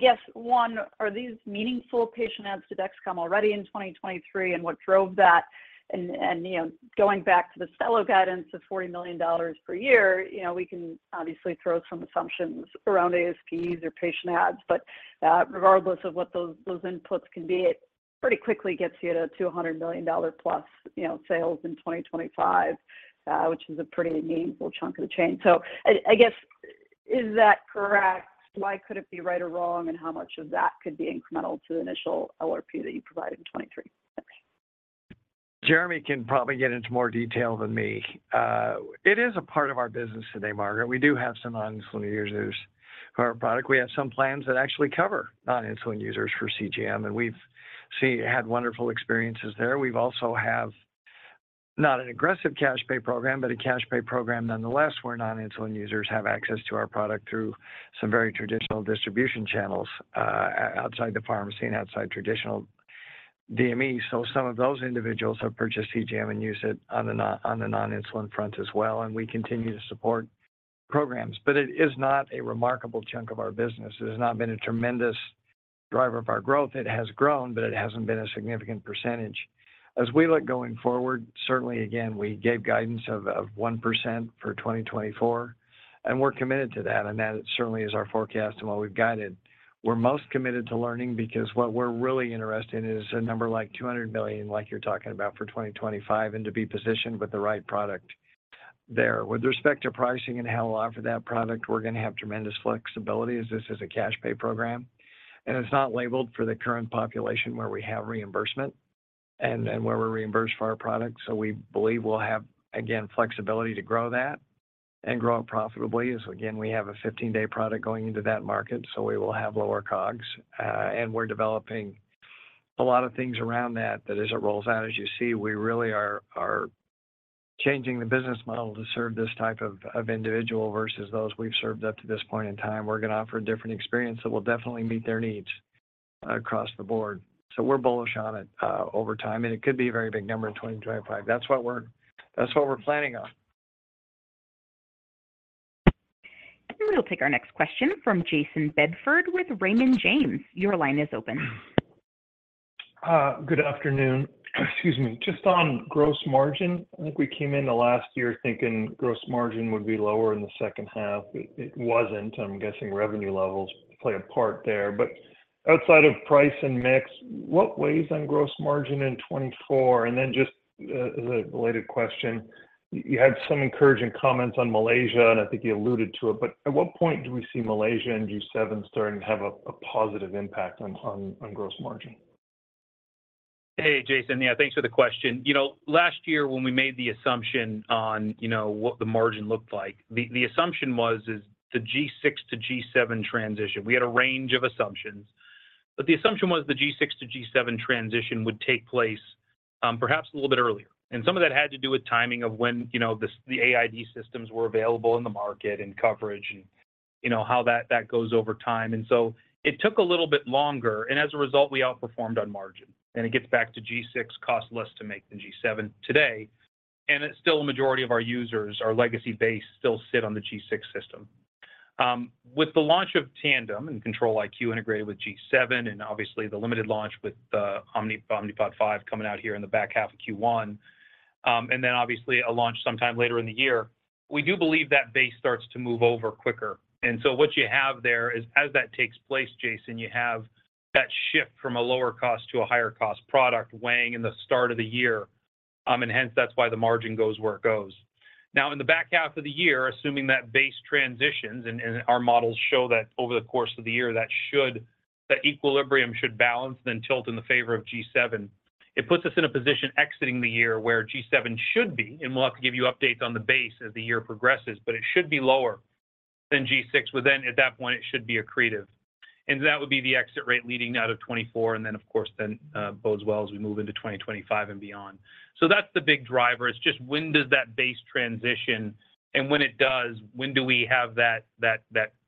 guess, one, are these meaningful patient adds to Dexcom already in 2023? And what drove that? Going back to the Stelo guidance of $40 million per year, we can obviously throw some assumptions around ASPs or patient adds. But regardless of what those inputs can be, it pretty quickly gets you to $200 million+ sales in 2025, which is a pretty meaningful chunk of the chain. I guess, is that correct? Why could it be right or wrong, and how much of that could be incremental to the initial LRP that you provided in 2023? Thanks. Jereme can probably get into more detail than me. It is a part of our business today, Margaret. We do have some non-insulin users for our product. We have some plans that actually cover non-insulin users for CGM, and we've had wonderful experiences there. We also have not an aggressive cash-pay program, but a cash-pay program nonetheless where non-insulin users have access to our product through some very traditional distribution channels outside the pharmacy and outside traditional DME. Some of those individuals have purchased CGM and use it on the non-insulin front as well. We continue to support programs. But it is not a remarkable chunk of our business. It has not been a tremendous driver of our growth. It has grown, but it hasn't been a significant percentage. As we look going forward, certainly, again, we gave guidance of 1% for 2024, and we're committed to that, and that certainly is our forecast and what we've guided. We're most committed to learning because what we're really interested in is a number like $200 million, like you're talking about, for 2025 and to be positioned with the right product there. With respect to pricing and how we'll offer that product, we're going to have tremendous flexibility as this is a cash-pay program. It's not labeled for the current population where we have reimbursement and where we're reimbursed for our product. So we believe we'll have, again, flexibility to grow that and grow it profitably. Again, we have a 15-day product going into that market, so we will have lower COGS. We're developing a lot of things around that, as it rolls out, as you see, we really are changing the business model to serve this type of individual versus those we've served up to this point in time. We're going to offer a different experience that will definitely meet their needs across the board. So we're bullish on it over time, and it could be a very big number in 2025. That's what we're planning on. We will take our next question from Jason Bedford with Raymond James. Your line is open. Good afternoon. Excuse me. Just on gross margin, I think we came in the last year thinking gross margin would be lower in the second half. It wasn't. I'm guessing revenue levels play a part there. But outside of price and mix, what weighs on gross margin in 2024? Then just as a related question, you had some encouraging comments on Malaysia, and I think you alluded to it. But at what point do we see Malaysia and G7 starting to have a positive impact on gross margin? Hey, Jason. Yeah, thanks for the question. Last year, when we made the assumption on what the margin looked like, the assumption was the G6 to G7 transition. We had a range of assumptions. But the assumption was the G6 to G7 transition would take place perhaps a little bit earlier.ome of that had to do with timing of when the AID systems were available in the market and coverage and how that goes over time. It took a little bit longer. And as a result, we outperformed on margin. And it gets back to G6 costs less to make than G7 today. And still, a majority of our users, our legacy base, still sit on the G6 system. With the launch of Tandem and Control-IQ integrated with G7 and obviously the limited launch with Omnipod 5 coming out here in the back half of Q1 and then obviously a launch sometime later in the year, we do believe that base starts to move over quicker. And so what you have there is, as that takes place, Jason, you have that shift from a lower cost to a higher cost product weighing in the start of the year. And hence, that's why the margin goes where it goes. Now, in the back half of the year, assuming that base transitions and our models show that over the course of the year, that equilibrium should balance then tilt in the favor of G7, it puts us in a position exiting the year where G7 should be. We'll have to give you updates on the base as the year progresses, but it should be lower than G6. But then at that point, it should be accretive. And that would be the exit rate leading out of 2024 and then, of course, then bode well as we move into 2025 and beyond. So that's the big driver. It's just when does that base transition? And when it does, when do we have that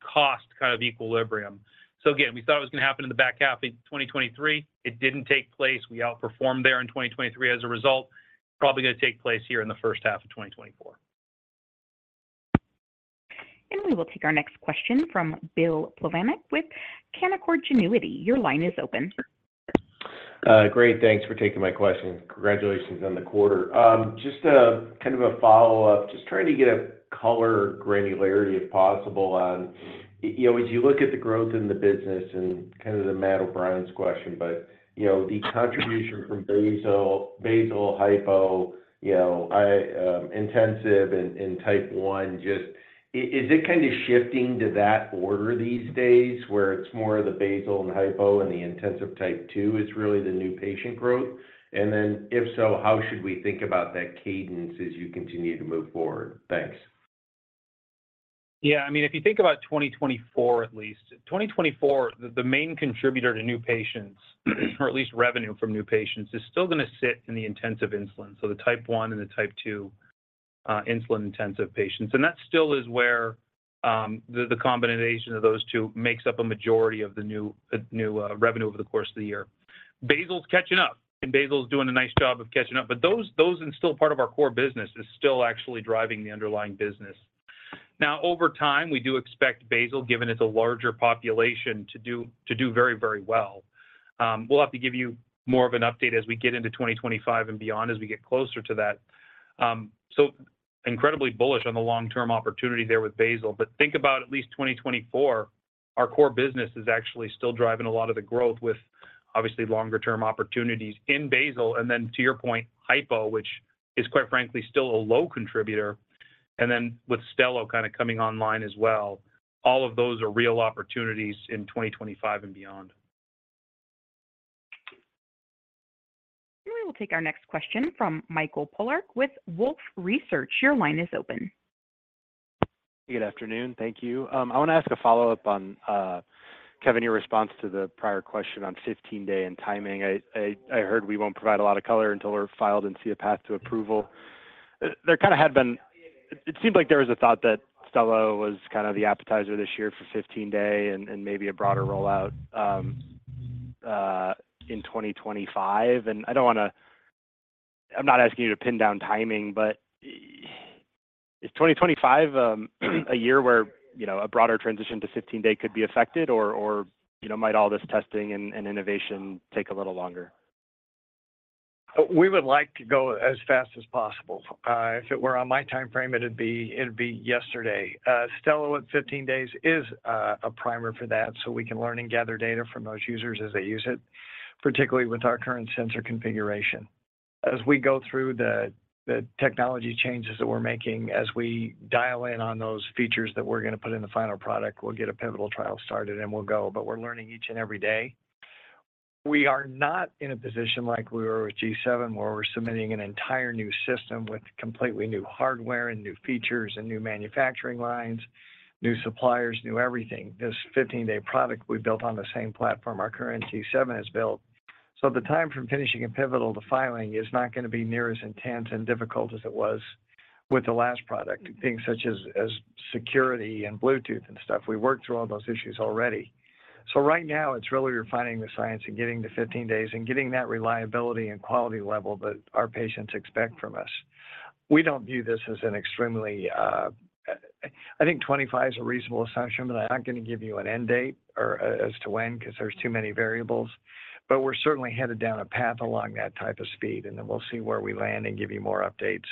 cost kind of equilibrium? So again, we thought it was going to happen in the back half of 2023. It didn't take place. We outperformed there in 2023 as a result. Probably going to take place here in the first half of 2024. We will take our next question from Bill Plovanic with Canaccord Genuity. Your line is open. Great. Thanks for taking my question. Congratulations on the quarter. Just kind of a follow-up, just trying to get a color granularity if possible on as you look at the growth in the business and kind of the Matt O'Brien's question, but the contribution from basal, hypo, intensive, and type one, is it kind of shifting to that order these days where it's more of the basal and hypo and the intensive type two is really the new patient growth? And then if so, how should we think about that cadence as you continue to move forward? Thanks. Yeah. I mean, if you think about 2024 at least, 2024, the main contributor to new patients or at least revenue from new patients is still going to sit in the intensive insulin. The type 1 and the type 2 insulin-intensive patients. And that still is where the combination of those two makes up a majority of the new revenue over the course of the year. Basal's catching up, and basal's doing a nice job of catching up. But those and still part of our core business is still actually driving the underlying business. Now, over time, we do expect basal, given it's a larger population, to do very, very well. We'll have to give you more of an update as we get into 2025 and beyond, as we get closer to that. So incredibly bullish on the long-term opportunity there with basal. But think about at least 2024. Our core business is actually still driving a lot of the growth with obviously longer-term opportunities in basal. And then to your point, hypo, which is quite frankly still a low contributor. And then with Stelo kind of coming online as well, all of those are real opportunities in 2025 and beyond. We will take our next question from Michael Polark with Wolfe Research. Your line is open. Good afternoon. Thank you. I want to ask a follow-up on Kevin, your response to the prior question on 15-day and timing. I heard we won't provide a lot of color until we're filed and see a path to approval. There kind of had been it seemed like there was a thought that Stelo was kind of the appetizer this year for 15-day and maybe a broader rollout in 2025. I don't want to I'm not asking you to pin down timing, but is 2025 a year where a broader transition to 15-day could be affected, or might all this testing and innovation take a little longer? We would like to go as fast as possible. If it were on my timeframe, it would be yesterday. Stelo at 15 days is a primer for that so we can learn and gather data from those users as they use it, particularly with our current sensor configuration. As we go through the technology changes that we're making, as we dial in on those features that we're going to put in the final product, we'll get a pivotal trial started, and we'll go. But we're learning each and every day. We are not in a position like we were with G7 where we're submitting an entire new system with completely new hardware and new features and new manufacturing lines, new suppliers, new everything. This 15-day product, we built on the same platform our current G7 has built. The time from finishing a pivotal to filing is not going to be near as intense and difficult as it was with the last product, things such as security and Bluetooth and stuff. We worked through all those issues already. So right now, it's really refining the science and getting to 15 days and getting that reliability and quality level that our patients expect from us. We don't view this as an extremely. I think 25 is a reasonable assumption, but I'm not going to give you an end date as to when because there's too many variables. But we're certainly headed down a path along that type of speed, and then we'll see where we land and give you more updates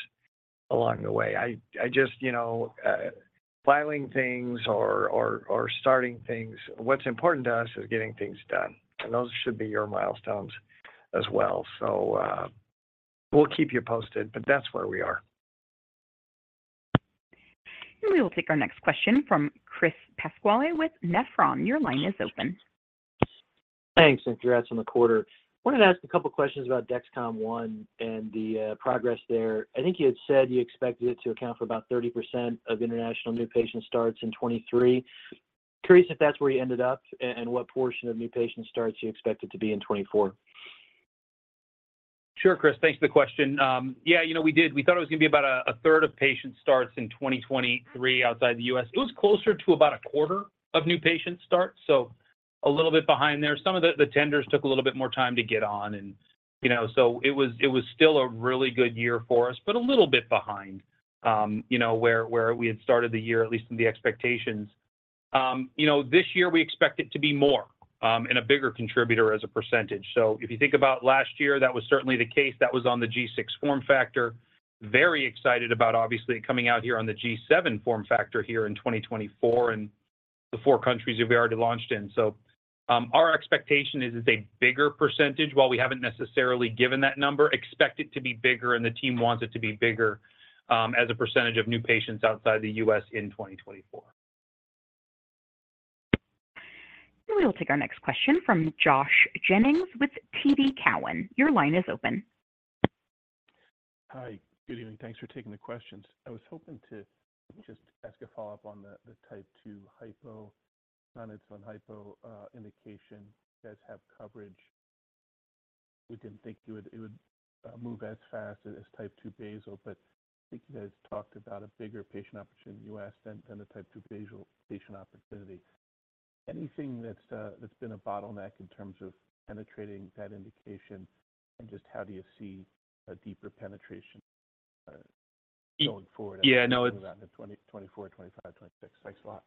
along the way. I just filing things or starting things, what's important to us is getting things done. And those should be your milestones as well. So we'll keep you posted, but that's where we are. We will take our next question from Chris Pasquale with Nephron. Your line is open. Thanks, and congrats on the quarter. I wanted to ask a couple of questions about Dexcom One and the progress there. I think you had said you expected it to account for about 30% of international new patient starts in 2023. Curious if that's where you ended up and what portion of new patient starts you expected to be in 2024. Sure, Chris. Thanks for the question. Yeah, we did. We thought it was going to be about a third of patient starts in 2023 outside the U.S. It was closer to about a quarter of new patient starts, so a little bit behind there. Some of the tenders took a little bit more time to get on. And so it was still a really good year for us, but a little bit behind where we had started the year, at least in the expectations. This year, we expect it to be more and a bigger contributor as a percentage. So if you think about last year, that was certainly the case. That was on the G6 form factor. Very excited about, obviously, it coming out here on the G7 form factor here in 2024 and the four countries that we already launched in. Our expectation is it's a bigger percentage. While we haven't necessarily given that number, expect it to be bigger, and the team wants it to be bigger as a percentage of new patients outside the U.S. in 2024. We will take our next question from Josh Jennings with TD Cowen. Your line is open. Hi. Good evening. Thanks for taking the questions. I was hoping to just ask a follow-up on the Type 2 hypo, non-insulin hypo indication. You guys have coverage. We didn't think it would move as fast as Type 2 basal, but I think you guys talked about a bigger patient opportunity in the U.S. than the Type 2 basal patient opportunity. Anything that's been a bottleneck in terms of penetrating that indication and just how do you see a deeper penetration going forward around 2024, 2025, 2026? Thanks a lot.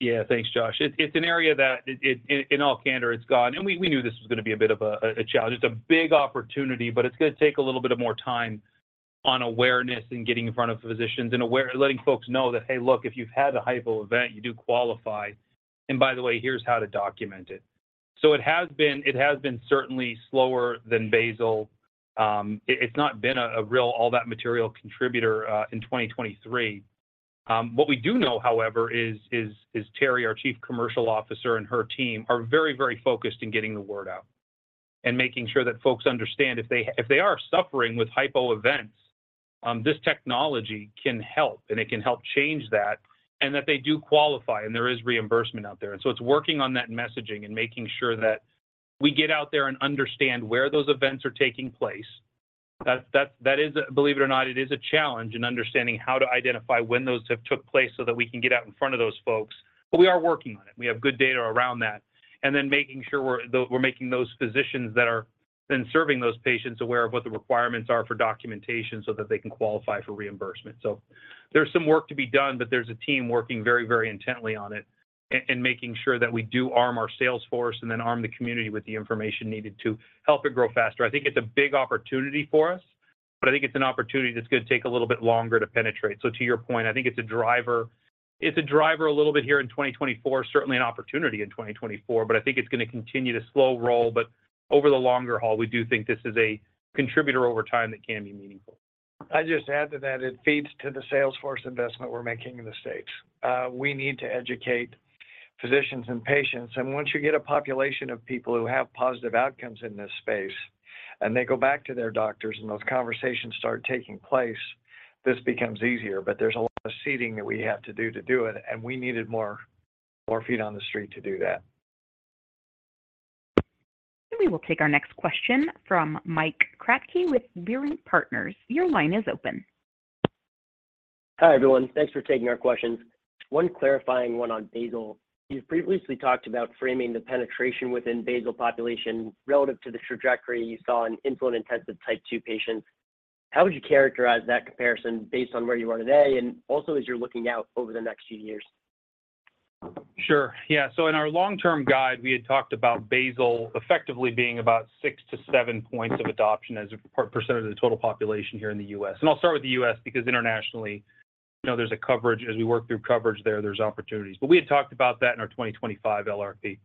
Yeah. Thanks, Josh. It's an area that, in all candor, it's gone. We knew this was going to be a bit of a challenge. It's a big opportunity, but it's going to take a little bit of more time on awareness and getting in front of physicians and letting folks know that, "Hey, look, if you've had a hypo event, you do qualify. By the way, here's how to document it." It has been certainly slower than basal. It's not been a real all-that-material contributor in 2023. What we do know, however, is Terry, our Chief Commercial Officer, and her team are very, very focused in getting the word out and making sure that folks understand if they are suffering with hypo events, this technology can help, and it can help change that and that they do qualify and there is reimbursement out there. It's working on that messaging and making sure that we get out there and understand where those events are taking place. Believe it or not, it is a challenge in understanding how to identify when those have took place so that we can get out in front of those folks. We are working on it. We have good data around that. Making sure we're making those physicians that are then serving those patients aware of what the requirements are for documentation so that they can qualify for reimbursement. There's some work to be done, but there's a team working very, very intently on it and making sure that we do arm our salesforce and then arm the community with the information needed to help it grow faster. I think it's a big opportunity for us, but I think it's an opportunity that's going to take a little bit longer to penetrate. To your point, I think it's a driver. It's a driver a little bit here in 2024, certainly an opportunity in 2024, but I think it's going to continue to slow roll. Over the longer haul, we do think this is a contributor over time that can be meaningful. I'd just add to that it feeds to the sales force investment we're making in the States. We need to educate physicians and patients. Once you get a population of people who have positive outcomes in this space and they go back to their doctors and those conversations start taking place, this becomes easier. There's a lot of seeding that we have to do to do it, and we needed more feet on the street to do that. We will take our next question from Mike Kratky with Leerink Partners. Your line is open. Hi, everyone. Thanks for taking our questions. One clarifying one on basal. You've previously talked about framing the penetration within basal population relative to the trajectory you saw in insulin-intensive Type 2 patients. How would you characterize that comparison based on where you are today and also as you're looking out over the next few years? Sure. Yeah. In our long-term guide, we had talked about basal effectively being about 6-7 points of adoption as a percentage of the total population here in the U.S. I'll start with the U.S. because internationally, there's a coverage. As we work through coverage there, there's opportunities. We had talked about that in our 2025 LRP.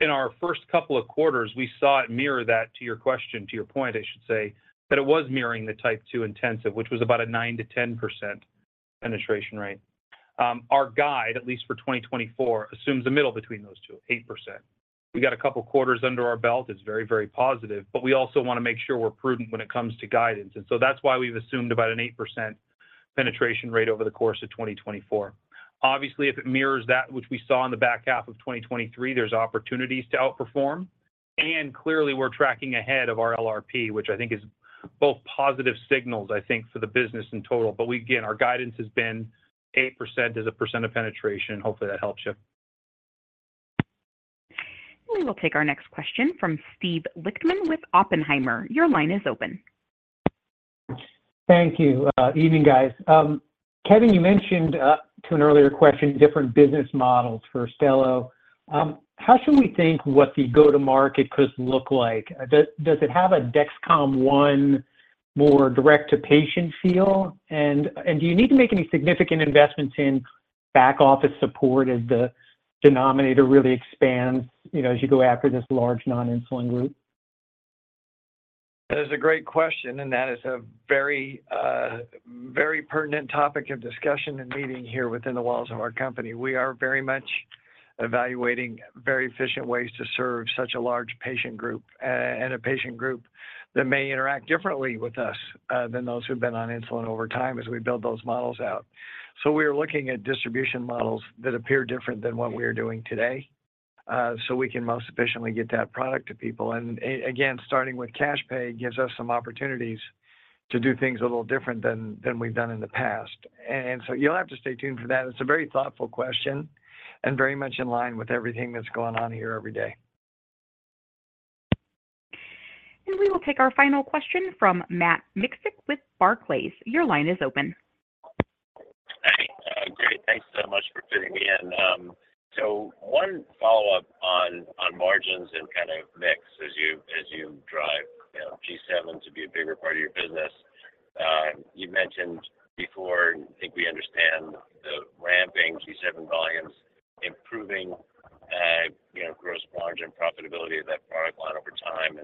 In our first couple of quarters, we saw it mirror that to your question, to your point, I should say, that it was mirroring the Type 2 intensive, which was about a 9%-10% penetration rate. Our guide, at least for 2024, assumes a middle between those two, 8%. We got a couple of quarters under our belt. It's very, very positive. We also want to make sure we're prudent when it comes to guidance. That's why we've assumed about an 8% penetration rate over the course of 2024. Obviously, if it mirrors that, which we saw in the back half of 2023, there's opportunities to outperform. Clearly, we're tracking ahead of our LRP, which I think is both positive signals, I think, for the business in total.gain, our guidance has been 8% as a percent of penetration. Hopefully, that helps you. We will take our next question from Steve Lichtman with Oppenheimer. Your line is open. Thank you. Evening, guys. Kevin, you mentioned to an earlier question different business models for Stelo. How should we think what the go-to-market could look like? Does it have a Dexcom One more direct-to-patient feel? Do you need to make any significant investments in back-office support as the denominator really expands as you go after this large non-insulin group? That is a great question, and that is a very, very pertinent topic of discussion and meeting here within the walls of our company. We are very much evaluating very efficient ways to serve such a large patient group and a patient group that may interact differently with us than those who've been on insulin over time as we build those models out. We are looking at distribution models that appear different than what we are doing today so we can most efficiently get that product to people. Again, starting with cash pay gives us some opportunities to do things a little different than we've done in the past. You'll have to stay tuned for that. It's a very thoughtful question and very much in line with everything that's going on here every day. We will take our final question from Matt Miksic with Barclays. Your line is open. Hey. Great. Thanks so much for fitting me in. One follow-up on margins and kind of mix as you drive G7 to be a bigger part of your business. You mentioned before, and I think we understand, the ramping G7 volumes, improving gross margin profitability of that product line over time.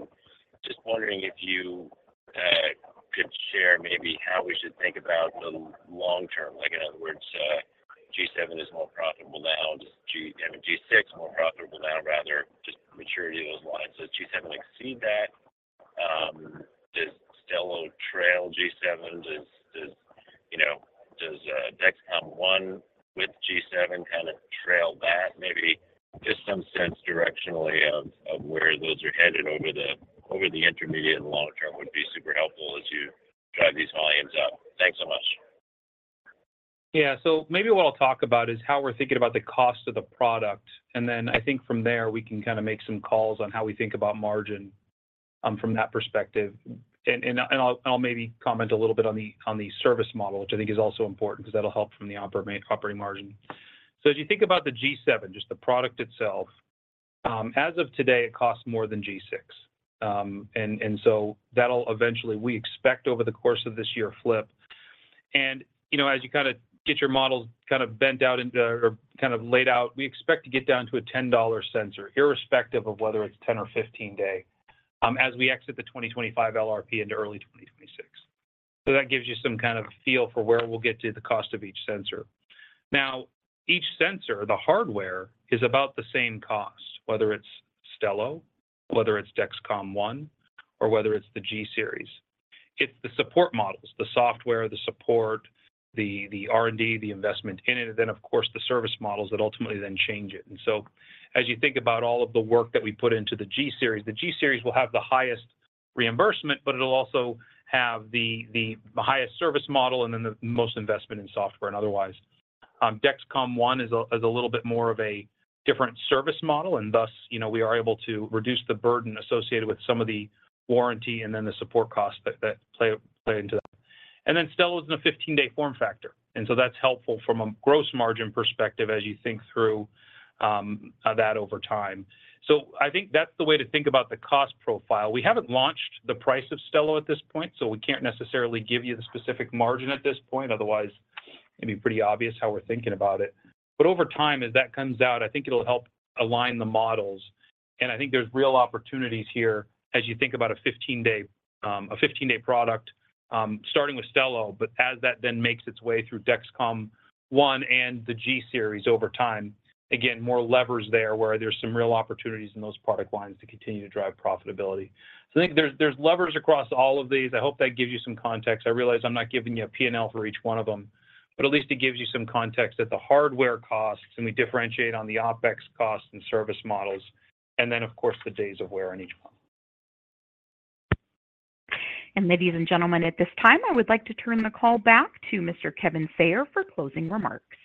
Just wondering if you could share maybe how we should think about the long term. In other words, G7 is more profitable now. I mean, G6 is more profitable now, rather just maturity of those lines. Does G7 exceed that? Does Stelo trail G7? Does Dexcom One with G7 kind of trail that? Maybe just some sense directionally of where those are headed over the intermediate and long term would be super helpful as you drive these volumes up. Thanks so much. Yeah. Maybe what I'll talk about is how we're thinking about the cost of the product. Then I think from there, we can kind of make some calls on how we think about margin from that perspective. I'll maybe comment a little bit on the service model, which I think is also important because that'll help from the operating margin. As you think about the G7, just the product itself, as of today, it costs more than G6. That'll eventually we expect over the course of this year flip. s you kind of get your models kind of bent out or kind of laid out, we expect to get down to a $10 sensor, irrespective of whether it's 10- or 15-day as we exit the 2025 LRP into early 2026. That gives you some kind of feel for where we'll get to the cost of each sensor. Now, each sensor, the hardware, is about the same cost, whether it's Stelo, whether it's Dexcom One, or whether it's the G series. It's the support models, the software, the support, the R&D, the investment in it, and then, of course, the service models that ultimately then change it. And so as you think about all of the work that we put into the G series, the G series will have the highest reimbursement, but it'll also have the highest service model and then the most investment in software. Otherwise, Dexcom One is a little bit more of a different service model. And thus, we are able to reduce the burden associated with some of the warranty and then the support costs that play into that. Then Stelo is in a 15-day form factor. That's helpful from a gross margin perspective as you think through that over time. So I think that's the way to think about the cost profile. We haven't launched the price of Stelo at this point, so we can't necessarily give you the specific margin at this point. Otherwise, it'd be pretty obvious how we're thinking about it. But over time, as that comes out, I think it'll help align the models. I think there's real opportunities here as you think about a 15-day product, starting with Stelo, but as that then makes its way through Dexcom One and the G series over time. Again, more levers there where there's some real opportunities in those product lines to continue to drive profitability. I think there's levers across all of these. I hope that gives you some context. I realize I'm not giving you a P&L for each one of them, but at least it gives you some context that the hardware costs and we differentiate on the OPEX costs and service models, and then, of course, the days of wear on each one. Ladies and gentlemen, at this time, I would like to turn the call back to Mr. Kevin Sayer for closing remarks.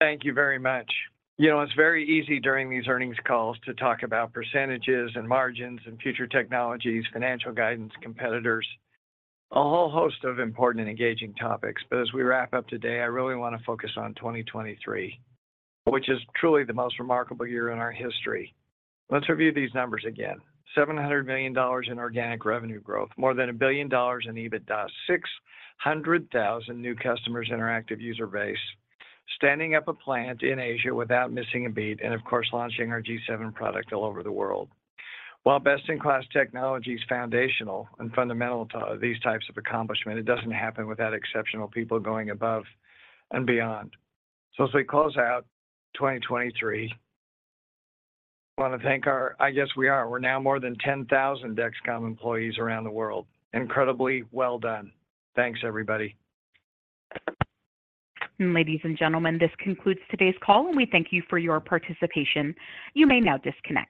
Thank you very much. It's very easy during these earnings calls to talk about percentages and margins and future technologies, financial guidance, competitors, a whole host of important and engaging topics. But as we wrap up today, I really want to focus on 2023, which is truly the most remarkable year in our history. Let's review these numbers again. $700 million in organic revenue growth, more than $1 billion in EBITDA, 600,000 new customers, interactive user base, standing up a plant in Asia without missing a beat, and of course, launching our G7 product all over the world. While best-in-class technology is foundational and fundamental to these types of accomplishment, it doesn't happen without exceptional people going above and beyond. So as we close out 2023, I want to thank our I guess we are. We're now more than 10,000 Dexcom employees around the world. Incredibly well done. Thanks, everybody. Ladies and gentlemen, this concludes today's call, and we thank you for your participation. You may now disconnect.